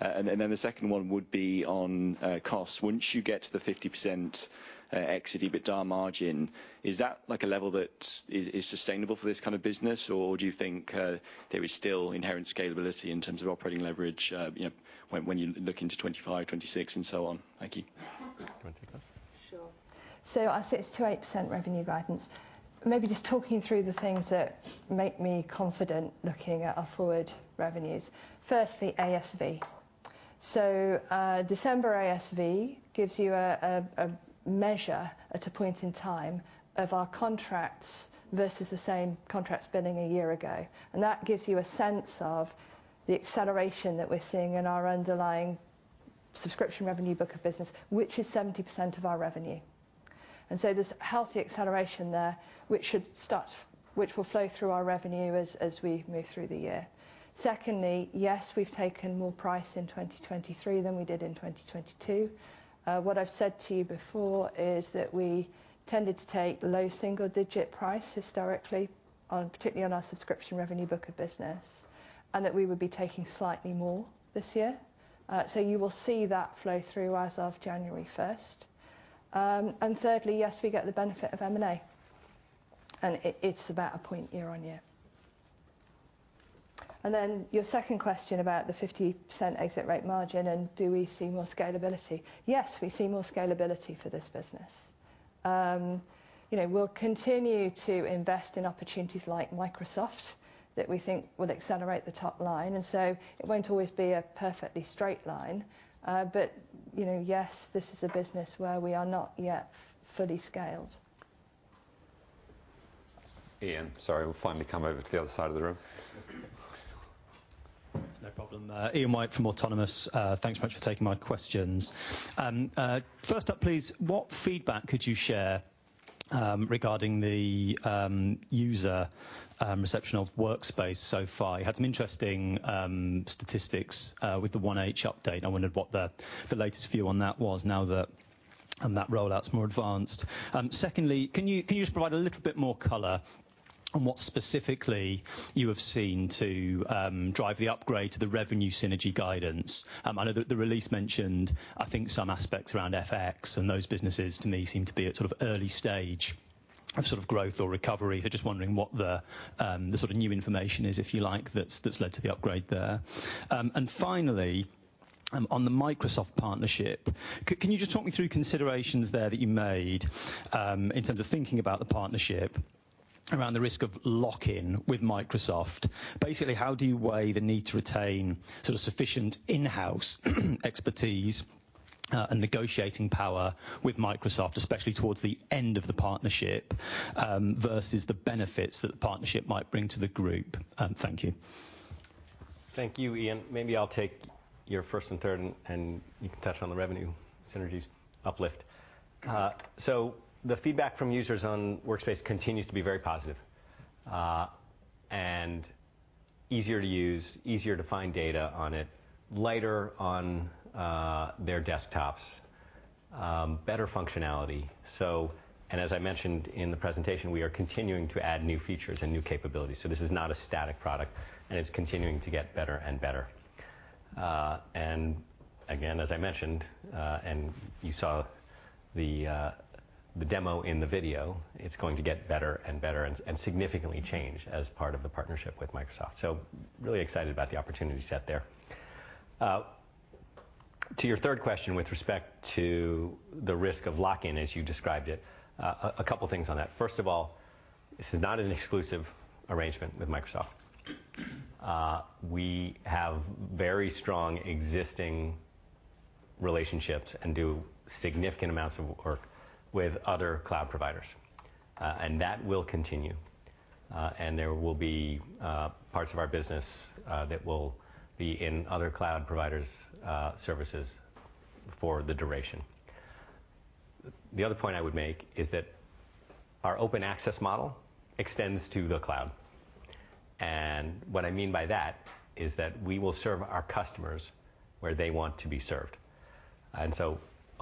The second one would be on costs. Once you get to the 50% exit EBITDA margin, is that like a level that is sustainable for this kind of business? Do you think there is still inherent scalability in terms of operating leverage, you know, when you look into 2025, 2026 and so on? Thank you.
Do you wanna take this?
Sure. I say it's 2%-8% revenue guidance. Maybe just talking through the things that make me confident looking at our forward revenues. Firstly, ASV. December ASV gives you a measure at a point in time of our contracts versus the same contracts billing a year ago. That gives you a sense of the acceleration that we're seeing in our underlying subscription revenue book of business, which is 70% of our revenue. There's healthy acceleration there, which will flow through our revenue as we move through the year. Secondly, yes, we've taken more price in 2023 than we did in 2022. What I've said to you before is that we tended to take low single-digit price historically on, particularly on our subscription revenue book of business, and that we would be taking slightly more this year. You will see that flow through as of January 1st. Thirdly, yes, we get the benefit of M&A, and it's about 1 point year-on-year. Your second question about the 50% exit rate margin and do we see more scalability? Yes, we see more scalability for this business. You know, we'll continue to invest in opportunities like Microsoft that we think will accelerate the top line and so it won't always be a perfectly straight line. You know, yes, this is a business where we are not yet fully scaled.
Ian, sorry. We'll finally come over to the other side of the room.
It's no problem. Ian White from Autonomous. Thanks much for taking my questions. First up, please, what feedback could you share regarding the user reception of Workspace so far? You had some interesting statistics with the 1H update. I wondered what the latest view on that was now that, and that rollout's more advanced. Secondly, can you just provide a little bit more color on what specifically you have seen to drive the upgrade to the revenue synergy guidance? I know that the release mentioned, I think, some aspects around FX and those businesses to me seem to be at sort of early stage of growth or recovery. Just wondering what the sort of new information is, if you like, that's led to the upgrade there. Finally, on the Microsoft partnership, can you just talk me through considerations there that you made in terms of thinking about the partnership around the risk of lock-in with Microsoft? Basically, how do you weigh the need to retain sort of sufficient in-house expertise and negotiating power with Microsoft, especially towards the end of the partnership, versus the benefits that the partnership might bring to the group? Thank you.
Thank you, Ian. Maybe I'll take your first and third and you can touch on the revenue synergies uplift. The feedback from users on Workspace continues to be very positive, and easier to use, easier to find data on it, lighter on their desktops, better functionality. As I mentioned in the presentation, we are continuing to add new features and new capabilities. This is not a static product, and it's continuing to get better and better. Again, as I mentioned, and you saw the demo in the video, it's going to get better and better and significantly change as part of the partnership with Microsoft. Really excited about the opportunity set there. To your third question with respect to the risk of lock-in as you described it, a couple things on that. First of all, this is not an exclusive arrangement with Microsoft. We have very strong existing relationships and do significant amounts of work with other cloud providers, and that will continue. And there will be parts of our business that will be in other cloud providers' services for the duration. The other point I would make is that our open access model extends to the cloud. What I mean by that is that we will serve our customers where they want to be served.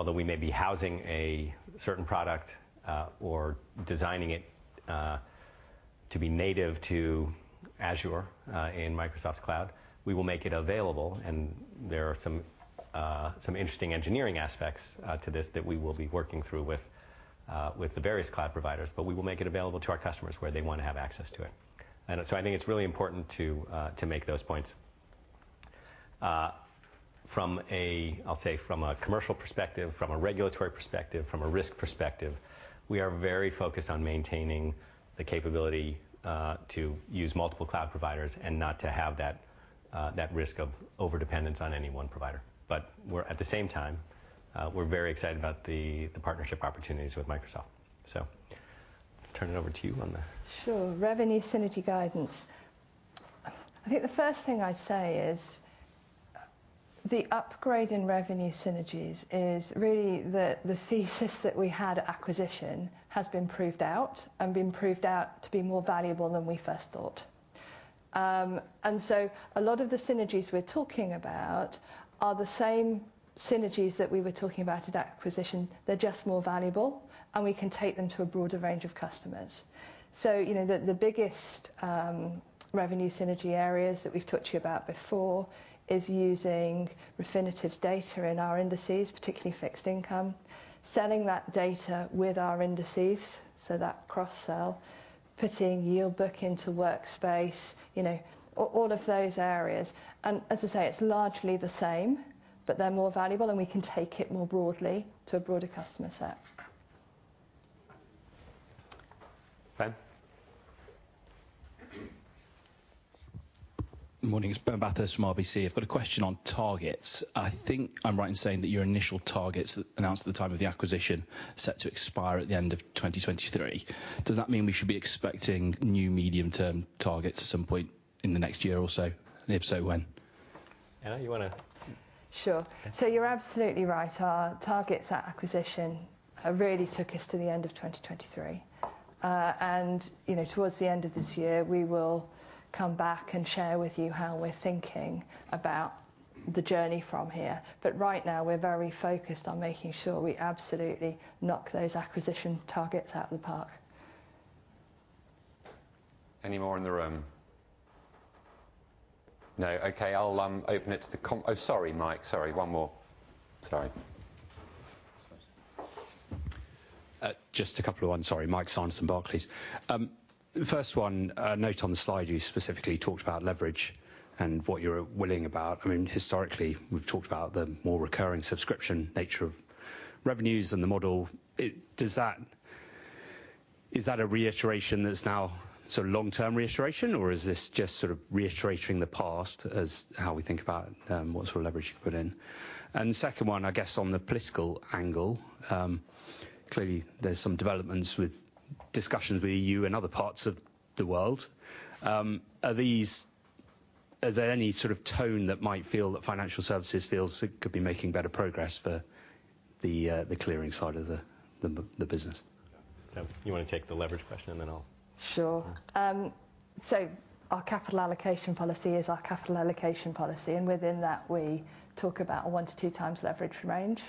Although we may be housing a certain product, or designing it to be native to Azure, in Microsoft's cloud, we will make it available and there are some interesting engineering aspects to this that we will be working through with the various cloud providers, but we will make it available to our customers where they wanna have access to it. I think it's really important to make those points. From a commercial perspective, from a regulatory perspective, from a risk perspective, we are very focused on maintaining the capability to use multiple cloud providers and not to have that risk of overdependence on any one provider. At the same time, we're very excited about the partnership opportunities with Microsoft. Turn it over to you.
Sure. Revenue synergy guidance. I think the first thing I'd say is the upgrade in revenue synergies is really the thesis that we had at acquisition has been proved out and been proved out to be more valuable than we first thought. A lot of the synergies we're talking about are the same synergies that we were talking about at acquisition. They're just more valuable, and we can take them to a broader range of customers. You know, the biggest revenue synergy areas that we've talked to you about before is using Refinitiv's data in our indices, particularly fixed income. Selling that data with our indices, so that cross-sell, putting Yield Book into Workspace, you know, all of those areas. As I say, it's largely the same, but they're more valuable, and we can take it more broadly to a broader customer set.
Ben.
Morning. It's Ben Bathurst from RBC. I've got a question on targets. I think I'm right in saying that your initial targets announced at the time of the acquisition set to expire at the end of 2023. Does that mean we should be expecting new medium-term targets at some point in the next year or so? If so, when?
Anna, you wanna...
Sure. You're absolutely right. Our targets at acquisition really took us to the end of 2023. You know, towards the end of this year, we will come back and share with you how we're thinking about the journey from here. Right now, we're very focused on making sure we absolutely knock those acquisition targets out of the park.
Any more in the room? No. Okay, I'll open it to the com--. Oh, sorry, Mike. Sorry, one more. Sorry.
Just a couple of... I'm sorry. Michael Sanderson, Barclays. First one, a note on the slide, you specifically talked about leverage and what you're willing about. I mean, historically, we've talked about the more recurring subscription nature of revenues and the model. Is that a reiteration that's now sort of long-term reiteration, or is this just sort of reiterating the past as how we think about what sort of leverage you put in? The second one, I guess, on the political angle, clearly there's some developments with discussions with EU and other parts of the world. Are there any sort of tone that might feel that financial services feels it could be making better progress for the clearing side of the business?
You wanna take the leverage question.
Sure. Our capital allocation policy is our capital allocation policy. Within that, we talk about a 1 to 2 times leverage range.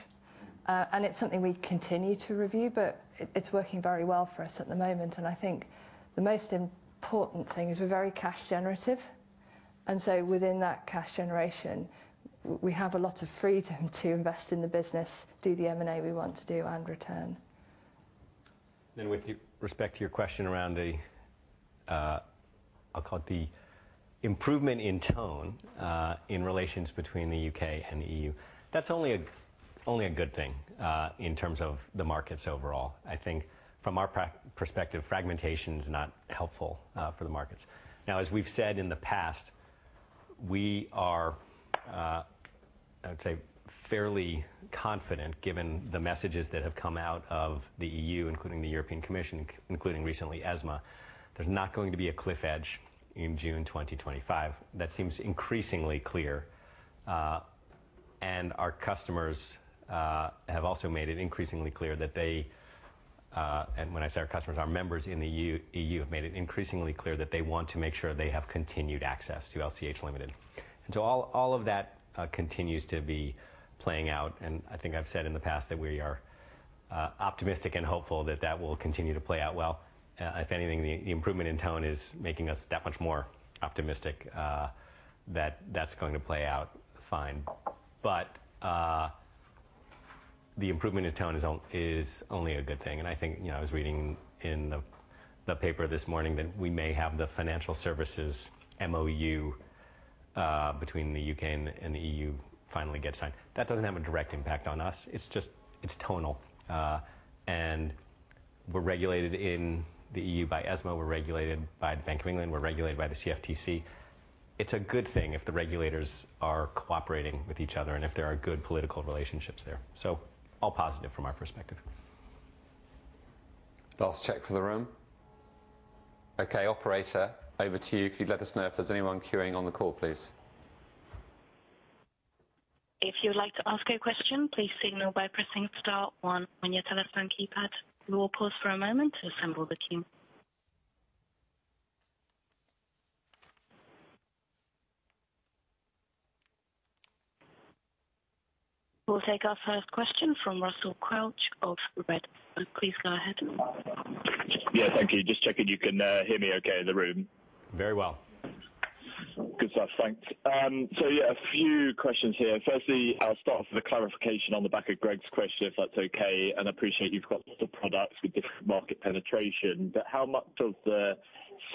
It's something we continue to review, but it's working very well for us at the moment. I think the most important thing is we're very cash generative. Within that cash generation, we have a lot of freedom to invest in the business, do the M&A we want to do and return.
With respect to your question around the, I'll call it the improvement in tone, in relations between the U.K. and the E.U., that's only a good thing, in terms of the markets overall. I think from our perspective, fragmentation's not helpful, for the markets. Now, as we've said in the past, we are, I would say, fairly confident given the messages that have come out of the E.U., including the European Commission, including recently ESMA. There's not going to be a cliff edge in June 2025. That seems increasingly clear. And our customers have also made it increasingly clear that they, and when I say our customers, our members in the E.U. have made it increasingly clear that they want to make sure they have continued access to LCH Limited. All, all of that continues to be playing out. I think I've said in the past that we are optimistic and hopeful that that will continue to play out well. If anything, the improvement in tone is making us that much more optimistic that that's going to play out fine. The improvement in tone is only a good thing. I think, you know, I was reading in the paper this morning that we may have the financial services MoU between the UK and the EU finally get signed. That doesn't have a direct impact on us. It's tonal. We're regulated in the EU by ESMA. We're regulated by the Bank of England. We're regulated by the CFTC.It's a good thing if the regulators are cooperating with each other and if there are good political relationships there. All positive from our perspective. Last check for the room. Okay, operator, over to you. Could you let us know if there's anyone queuing on the call, please?
If you would like to ask a question, please signal by pressing star 1 on your telephone keypad. We will pause for a moment to assemble the queue. We'll take our first question from Russell Quelch of Redburn. Please go ahead.
Thank you. Just checking you can hear me okay in the room.
Very well.
Good stuff. Thanks. A few questions here. Firstly, I'll start off with a clarification on the back of Greg's question, if that's okay, and appreciate you've got lots of products with different market penetration, but how much of the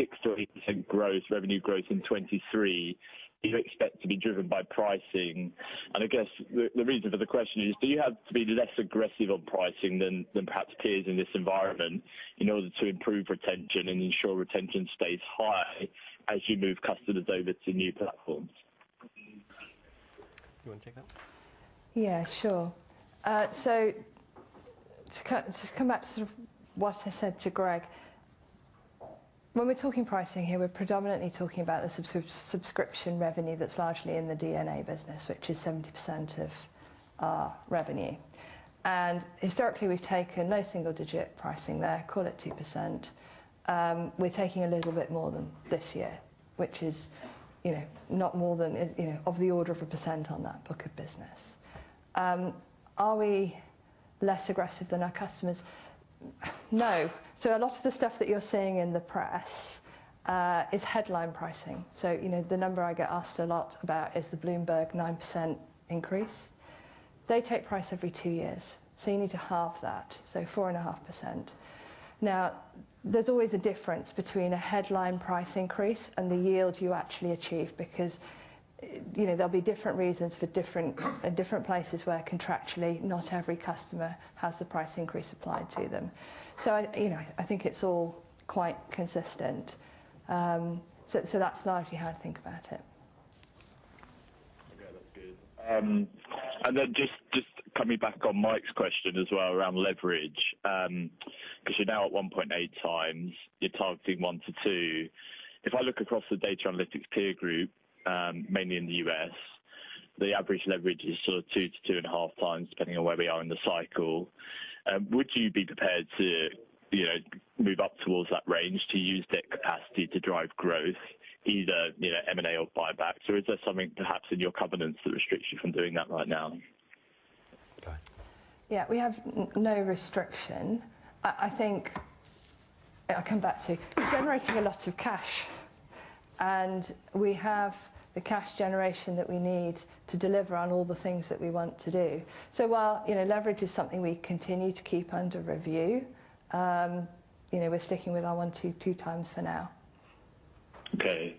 60% growth, revenue growth in 2023 do you expect to be driven by pricing? I guess the reason for the question is, do you have to be less aggressive on pricing than perhaps peers in this environment in order to improve retention and ensure retention stays high as you move customers over to new platforms?
You wanna take that?
Yeah, sure. To come back to sort of what I said to Greg Simpson. When we're talking pricing here, we're predominantly talking about the subscription revenue that's largely in the D&A business, which is 70% of our revenue. Historically, we've taken low single digit pricing there, call it 2%. We're taking a little bit more than this year, which is, you know, not more than is, you know, of the order of 1% on that book of business. Are we less aggressive than our customers? No. A lot of the stuff that you're seeing in the press is headline pricing. You know, the number I get asked a lot about is the Bloomberg 9% increase. They take price every 2 years, so you need to halve that, so 4.5%. There's always a difference between a headline price increase and the yield you actually achieve because, you know, there'll be different reasons for different, and different places where contractually, not every customer has the price increase applied to them. You know, I think it's all quite consistent. That's largely how I think about it.
Okay. That's good. Then just coming back on Mike's question as well around leverage, 'cause you're now at 1.8 times, you're targeting 1-2. If I look across the Data & Analytics peer group, mainly in the US, the average leverage is sort of 2-2.5 times, depending on where we are in the cycle. Would you be prepared to, you know, move up towards that range to use that capacity to drive growth, either, you know, M&A or buyback, or is there something perhaps in your covenants that restricts you from doing that right now?
Go ahead.
We have no restriction. I think. I'll come back to. We're generating a lot of cash, and we have the cash generation that we need to deliver on all the things that we want to do. While, you know, leverage is something we continue to keep under review, you know, we're sticking with our 1-2 times for now.
Okay.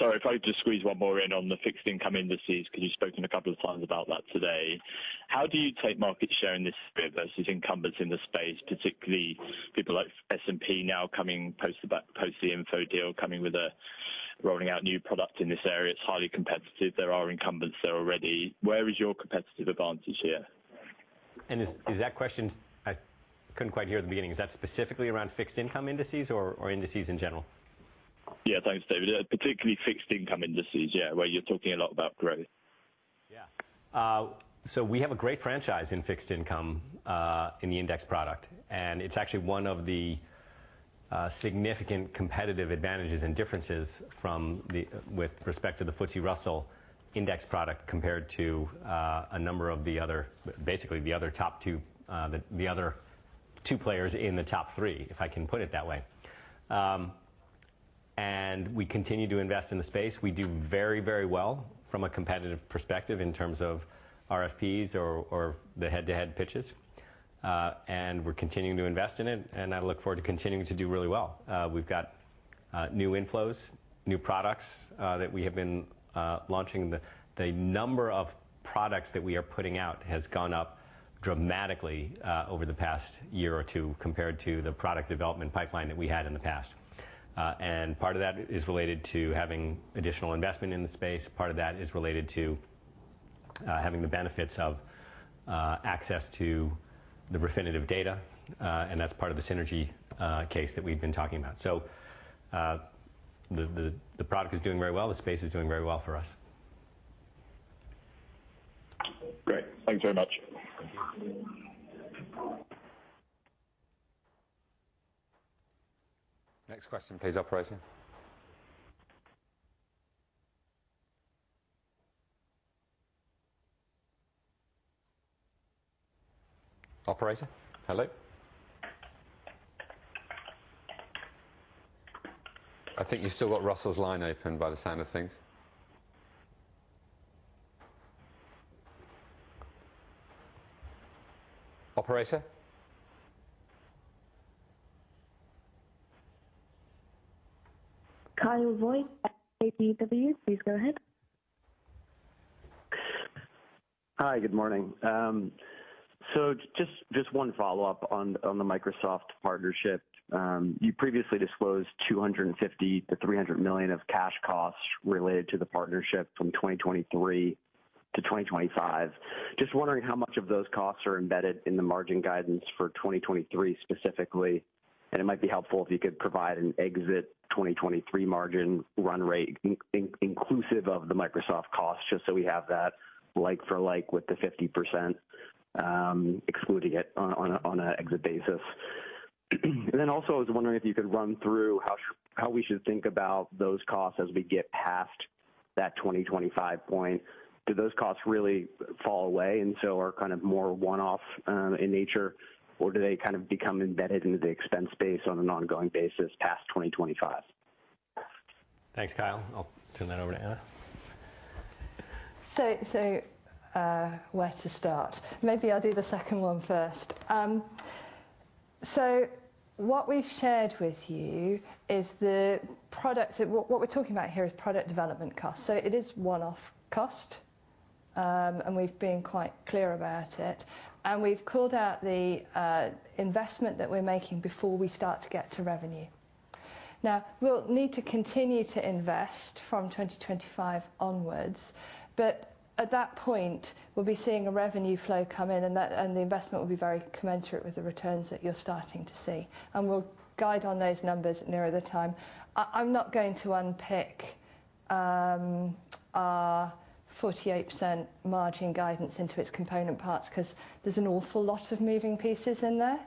Sorry, if I just squeeze one more in on the fixed income indices, 'cause you've spoken a couple of times about that today. How do you take market share in this space versus incumbents in the space, particularly people like S&P now coming post the post the Info deal, coming with rolling out new product in this area? It's highly competitive. There are incumbents there already. Where is your competitive advantage here?
Is that question, I couldn't quite hear at the beginning, specifically around fixed income indices or indices in general?
Yeah. Thanks, David. Particularly fixed income indices, yeah, where you're talking a lot about growth.
We have a great franchise in fixed income, in the index product, and it's actually one of the significant competitive advantages and differences with respect to the FTSE Russell index product compared to a number of the other, basically the other top two, the other two players in the top three, if I can put it that way. We continue to invest in the space. We do very, very well from a competitive perspective in terms of RFPs or the head-to-head pitches. We're continuing to invest in it, and I look forward to continuing to do really well. We've got new inflows, new products, that we have been launching. The number of products that we are putting out has gone up dramatically, over the past year or two compared to the product development pipeline that we had in the past. Part of that is related to having additional investment in the space. Part of that is related to, having the benefits of, access to the Refinitiv data, and that's part of the synergy case that we've been talking about. The product is doing very well. The space is doing very well for us.
Great. Thank you very much.
Next question, please, operator. Operator, hello? I think you still got Russell's line open by the sound of things. Operator?
Kyle Voigt at KBW, please go ahead.
Hi, good morning. Just one follow-up on the Microsoft partnership. You previously disclosed 250 million-300 million of cash costs related to the partnership from 2023 to 2025. Just wondering how much of those costs are embedded in the margin guidance for 2023 specifically, and it might be helpful if you could provide an exit 2023 margin run rate inclusive of the Microsoft cost, just so we have that like for like with the 50%, excluding it on a exit basis. Also I was wondering if you could run through how we should think about those costs as we get past that 2025 point. Do those costs really fall away and so are kind of more one-off, in nature, or do they kind of become embedded into the expense base on an ongoing basis past 2025?
Thanks, Kyle. I'll turn that over to Anna.
Where to start? Maybe I'll do the second one first. What we've shared with you is the product that... What we're talking about here is product development costs. It is one-off cost, and we've been quite clear about it, and we've called out the investment that we're making before we start to get to revenue. We'll need to continue to invest from 2025 onwards, at that point, we'll be seeing a revenue flow come in, and the investment will be very commensurate with the returns that you're starting to see. We'll guide on those numbers nearer the time. I'm not going to unpick our 48% margin guidance into its component parts because there's an awful lot of moving pieces in there.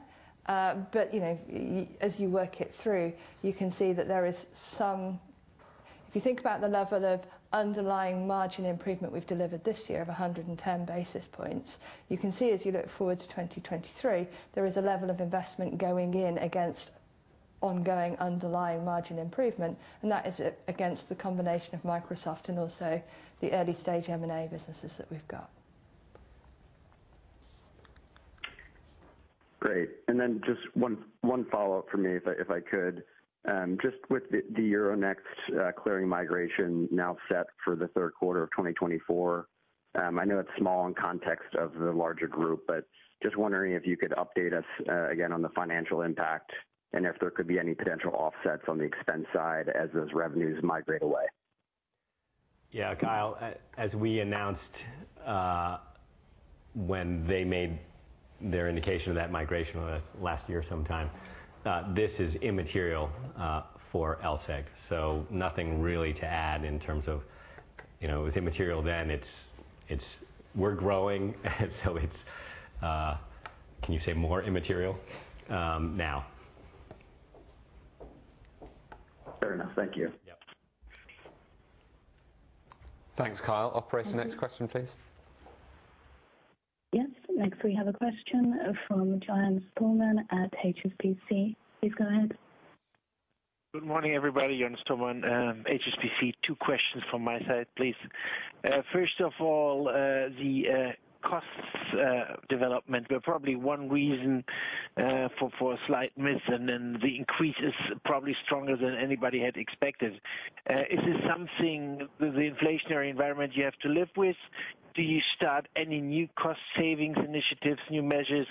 You know, as you work it through, you can see that there is. If you think about the level of underlying margin improvement we've delivered this year of 110 basis points, you can see as you look forward to 2023, there is a level of investment going in against ongoing underlying margin improvement, and that is against the combination of Microsoft and also the early-stage M&A businesses that we've got.
Great. Then just one follow-up for me if I could. Just with the Euronext clearing migration now set for the third quarter of 2024, I know it's small in context of the larger group, but just wondering if you could update us again on the financial impact and if there could be any potential offsets on the expense side as those revenues migrate away.
Yeah, Kyle, as we announced, when they made their indication of that migration last year sometime, this is immaterial for LSEG. Nothing really to add in terms of, you know, it was immaterial then. It's We're growing, so it's can you say more immaterial now.
Fair enough. Thank you.
Yep.
Thanks, Kyle. Operator, next question, please.
Yes. Next, we have a question from Jonas Thormann at HSBC. Please go ahead.
Good morning, everybody. Jonas Tolman, HSBC. 2 questions from my side, please. First of all, the costs development were probably 1 reason for a slight miss, and then the increase is probably stronger than anybody had expected. Is this something the inflationary environment you have to live with? Do you start any new cost savings initiatives, new measures,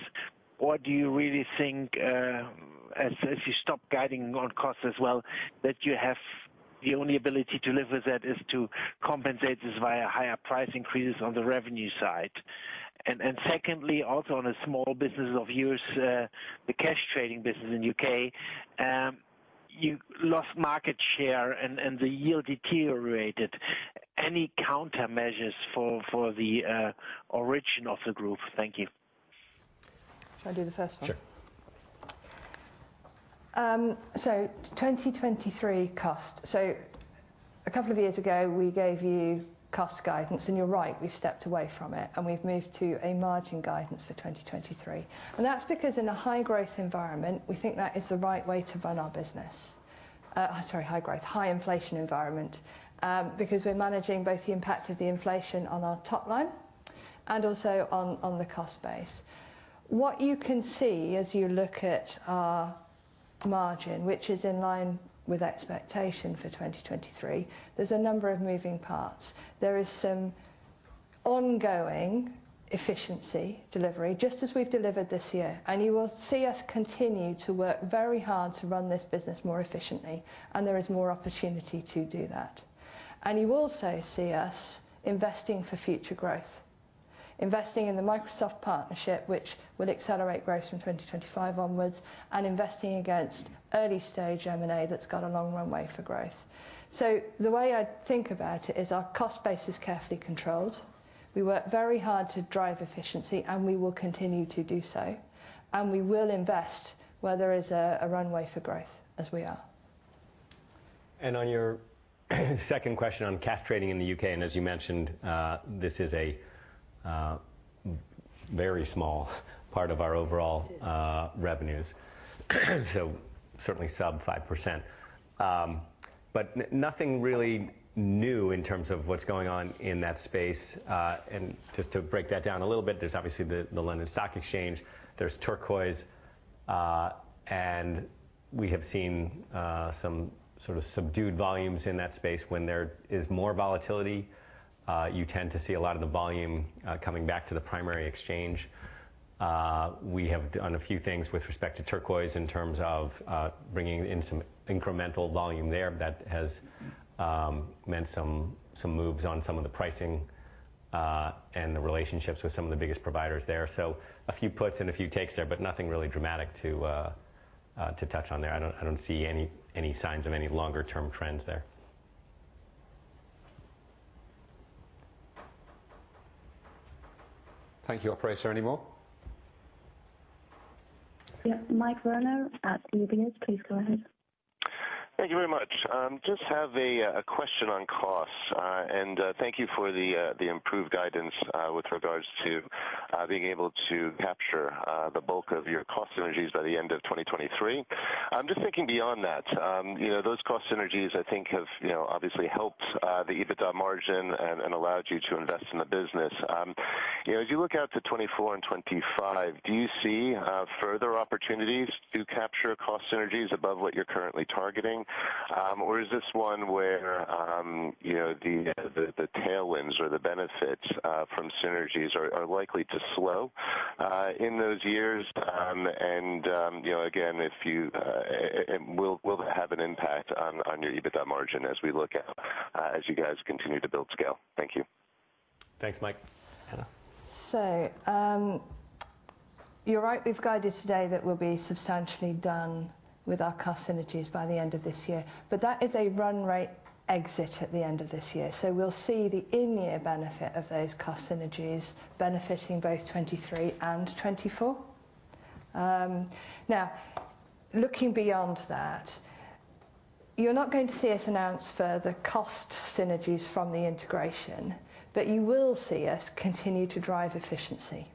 or do you really think if you stop guiding on costs as well, that you have the only ability to live with that is to compensate this via higher price increases on the revenue side? Secondly, also on a small business of yours, the cash trading business in UK, you lost market share and the yield deteriorated. Any countermeasures for the origin of the group? Thank you.
Should I do the first one?
Sure.
2023 cost. A couple of years ago, we gave you cost guidance, and you're right, we've stepped away from it, and we've moved to a margin guidance for 2023. That's because in a high growth environment, we think that is the right way to run our business. Sorry, high growth, high inflation environment, because we're managing both the impact of the inflation on our top line and also on the cost base. What you can see as you look at our margin, which is in line with expectation for 2023, there's a number of moving parts. There is some ongoing efficiency delivery, just as we've delivered this year. You will see us continue to work very hard to run this business more efficiently, and there is more opportunity to do that. You will also see us investing for future growth, investing in the Microsoft partnership, which will accelerate growth from 2025 onwards, and investing against early-stage M&A that's got a long runway for growth. The way I think about it is our cost base is carefully controlled. We work very hard to drive efficiency, and we will continue to do so, and we will invest where there is a runway for growth as we are.
On your second question on cash trading in the UK, as you mentioned, this is a very small part of our overall revenues, certainly sub 5%. Nothing really new in terms of what's going on in that space. Just to break that down a little bit, there's obviously the London Stock Exchange, there's Turquoise, and we have seen some sort of subdued volumes in that space. When there is more volatility, you tend to see a lot of the volume coming back to the primary exchange. We have done a few things with respect to Turquoise in terms of bringing in some incremental volume there that has meant some moves on some of the pricing and the relationships with some of the biggest providers there. A few puts and a few takes there, but nothing really dramatic to touch on there. I don't see any signs of any longer term trends there.
Thank you. Operator, any more?
Yeah. Mike Werner at UBS. Please go ahead.
Thank you very much. Just have a question on costs, and thank you for the improved guidance with regards to being able to capture the bulk of your cost synergies by the end of 2023. I'm just thinking beyond that. You know, those cost synergies I think have, you know, obviously helped the EBITDA margin and allowed you to invest in the business. You know, as you look out to 2024 and 2025, do you see further opportunities to capture cost synergies above what you're currently targeting? Is this one where, you know, the tailwinds or the benefits from synergies are likely to slow in those years? You know, again, if you, will have an impact on your EBITDA margin as we look out, as you guys continue to build scale. Thank you.
Thanks, Mike. Anna
You're right, we've guided today that we'll be substantially done with our cost synergies by the end of this year. That is a run rate exit at the end of this year. We'll see the in-year benefit of those cost synergies benefiting both 2023 and 2024. Now looking beyond that, you're not going to see us announce further cost synergies from the integration, but you will see us continue to drive efficiency.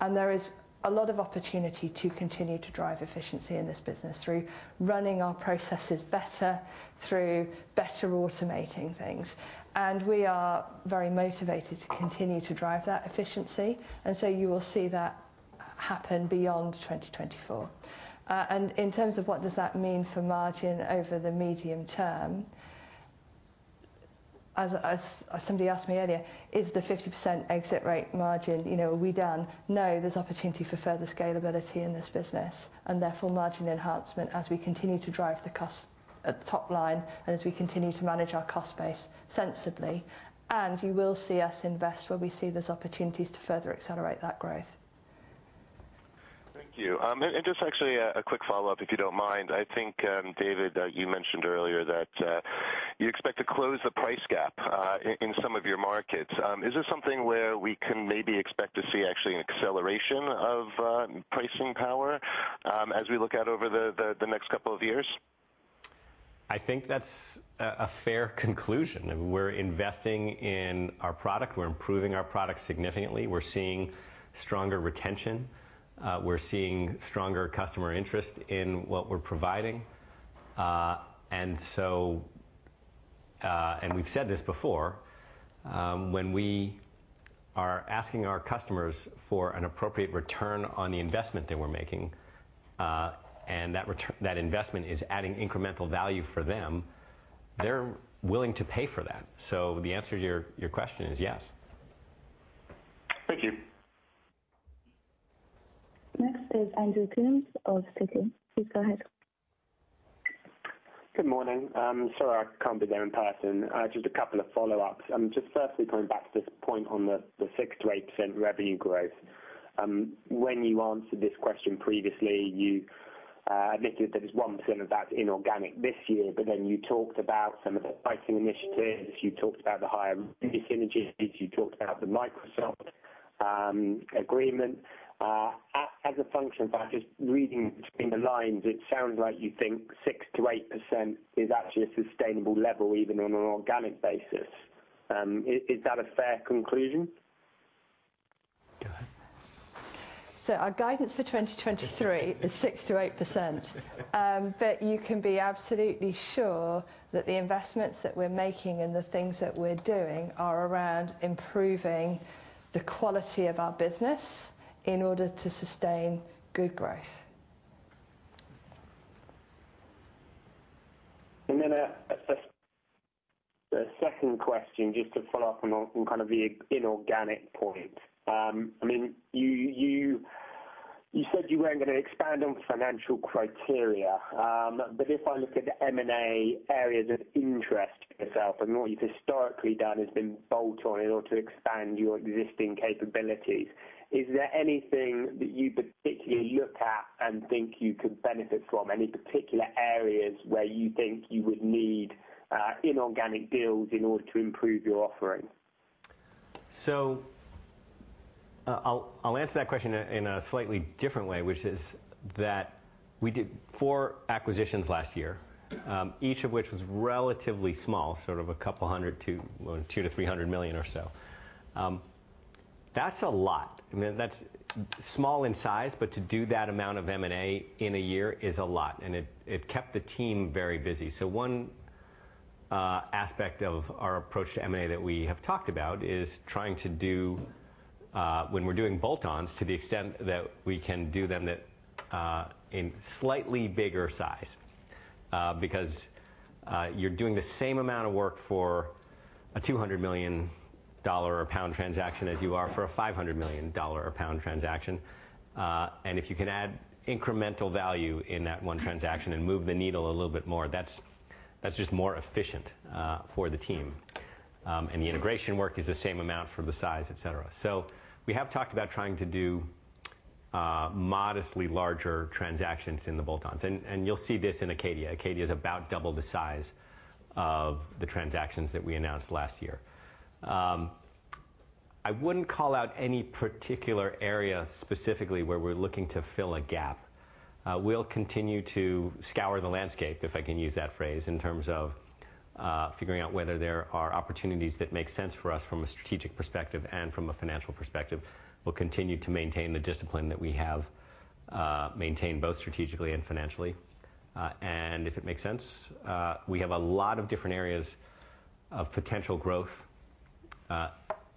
There is a lot of opportunity to continue to drive efficiency in this business through running our processes better, through better automating things. We are very motivated to continue to drive that efficiency, you will see that happen beyond 2024. In terms of what does that mean for margin over the medium term, as somebody asked me earlier, is the 50% exit rate margin, you know, are we done? No, there's opportunity for further scalability in this business, and therefore margin enhancement as we continue to drive the cost at the top line and as we continue to manage our cost base sensibly. You will see us invest where we see there's opportunities to further accelerate that growth.
Thank you. Just actually a quick follow-up, if you don't mind. I think, David, you mentioned earlier that you expect to close the price gap in some of your markets. Is this something where we can maybe expect to see actually an acceleration of pricing power as we look out over the next couple of years?
I think that's a fair conclusion. We're investing in our product. We're improving our product significantly. We're seeing stronger retention. We're seeing stronger customer interest in what we're providing. We've said this before, when we are asking our customers for an appropriate return on the investment that we're making, and that investment is adding incremental value for them, they're willing to pay for that. The answer to your question is yes.
Thank you.
Next is Andrew Coombs of Citi. Please go ahead.
Good morning. I'm sorry I can't be there in person. Just a couple of follow-ups. Just firstly, coming back to this point on the 6% to 8% revenue growth. When you answered this question previously, you admitted that it's 1% of that's inorganic this year, you talked about some of the pricing initiatives. You talked about the higher synergies. You talked about the Microsoft agreement. As a function, if I'm just reading between the lines, it sounds like you think 6% to 8% is actually a sustainable level even on an organic basis. Is that a fair conclusion?
Go ahead.
Our guidance for 2023 is 6% to 8%. But you can be absolutely sure that the investments that we're making and the things that we're doing are around improving the quality of our business in order to sustain good growth.
A second question, just to follow up on kind of the inorganic point. I mean, you said you weren't gonna expand on financial criteria. If I look at the M&A areas of interest for yourself and what you've historically done has been bolt-on in order to expand your existing capabilities, is there anything that you particularly look at and think you could benefit from? Any particular areas where you think you would need inorganic deals in order to improve your offering?
I'll answer that question in a slightly different way, which is that we did four acquisitions last year, each of which was relatively small, sort of a couple hundred to 200-300 million or so. That's a lot. I mean, that's small in size, but to do that amount of M&A in a year is a lot, and it kept the team very busy. One aspect of our approach to M&A that we have talked about is trying to do, when we're doing bolt-ons to the extent that we can do them that, in slightly bigger size. Because you're doing the same amount of work for a 200 million dollar or pound transaction as you are for a 500 million dollar or pound transaction. If you can add incremental value in that one transaction and move the needle a little bit more, that's just more efficient for the team. The integration work is the same amount for the size, et cetera. We have talked about trying to do modestly larger transactions in the bolt-ons. You'll see this in Acadia. Acadia is about double the size of the transactions that we announced last year. I wouldn't call out any particular area specifically where we're looking to fill a gap. We'll continue to scour the landscape, if I can use that phrase, in terms of figuring out whether there are opportunities that make sense for us from a strategic perspective and from a financial perspective. We'll continue to maintain the discipline that we have maintained both strategically and financially. If it makes sense, we have a lot of different areas of potential growth,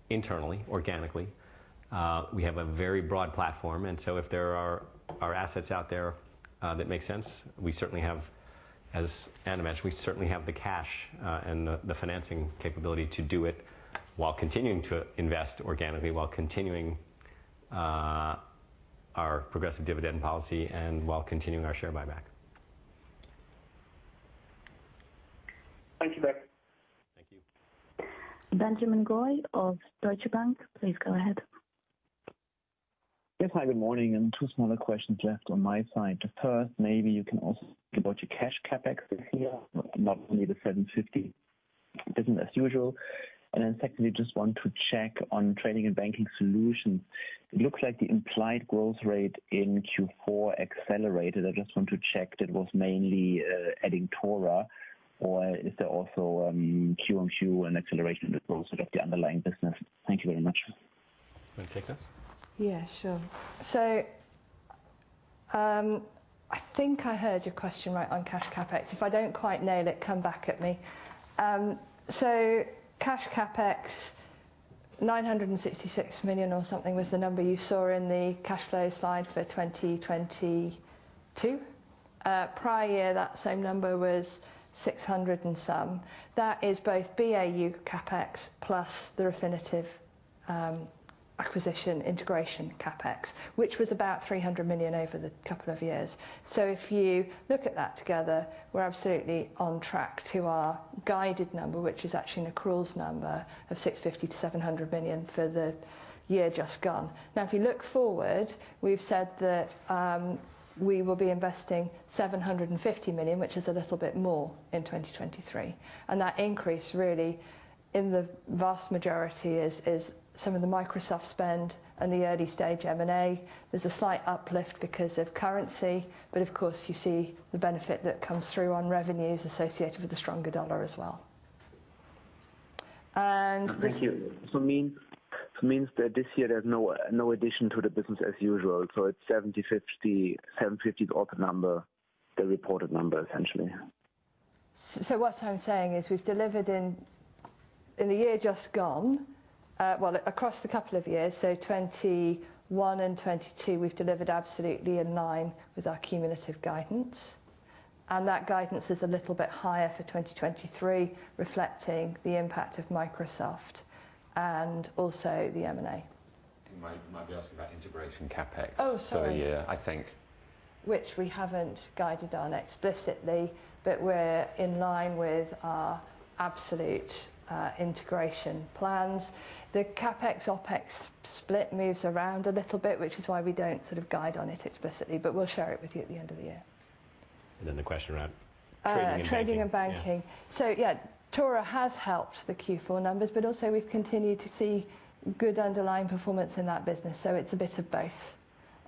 internally, organically. We have a very broad platform, and so if there are assets out there, that make sense, we certainly have, as Animesh, we certainly have the cash, and the financing capability to do it while continuing to invest organically, while continuing, our progressive dividend policy and while continuing our share buyback. Thank you, David. Thank you.
Benjamin Goy of Deutsche Bank, please go ahead.
Yes. Hi, good morning. Two smaller questions left on my side. The first, maybe you can also talk about your cash CapEx this year, not only the 750 business as usual. Then secondly, just want to check on Trading & Banking Solutions. It looks like the implied growth rate in Q4 accelerated. I just want to check that was mainly adding TORA or is there also quarter-on-quarter an acceleration in the growth of the underlying business? Thank you very much.
Wanna take this?
Yeah, sure. I think I heard your question right on cash CapEx. If I don't quite nail it, come back at me. Cash CapEx, 966 million or something was the number you saw in the cash flow slide for 2022. Prior year, that same number was 600 and some. That is both BAU CapEx plus the Refinitiv acquisition integration CapEx, which was about 300 million over the couple of years. If you look at that together, we're absolutely on track to our guided number, which is actually an accruals number of 650-700 million for the year just gone. If you look forward, we've said that we will be investing 750 million, which is a little bit more in 2023, and that increase really in the vast majority is some of the Microsoft spend and the early stage M&A. There's a slight uplift because of currency, but of course, you see the benefit that comes through on revenues associated with the stronger dollar as well. This.
Thank you. Means that this year there's no addition to the business as usual, so it's 750 is odd number, the reported number, essentially?
What I'm saying is we've delivered in the year just gone. Well, across the couple of years, so 2021 and 2022, we've delivered absolutely in line with our cumulative guidance, and that guidance is a little bit higher for 2023, reflecting the impact of Microsoft and also the M&A.
He might be asking about integration CapEx.
Oh, sorry.
for the year. I think.
We haven't guided on explicitly, but we're in line with our absolute integration plans. The CapEx OpEx split moves around a little bit, which is why we don't sort of guide on it explicitly, but we'll share it with you at the end of the year.
The question around Trading & Banking.
Trading & Banking.
Yeah.
Yeah, Tora has helped the Q4 numbers, but also we've continued to see good underlying performance in that business. It's a bit of both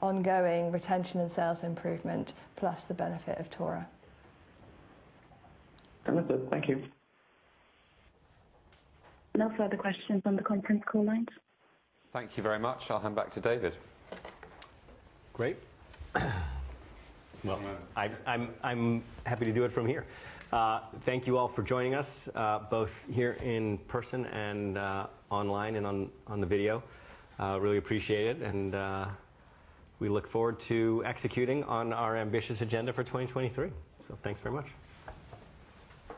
ongoing retention and sales improvement plus the benefit of Tora.
Terrific. Thank you.
No further questions on the conference call lines.
Thank you very much. I'll hand back to David. Great. Well, I'm happy to do it from here. Thank you all for joining us, both here in person and online and on the video. Really appreciate it, and we look forward to executing on our ambitious agenda for 2023. Thanks very much.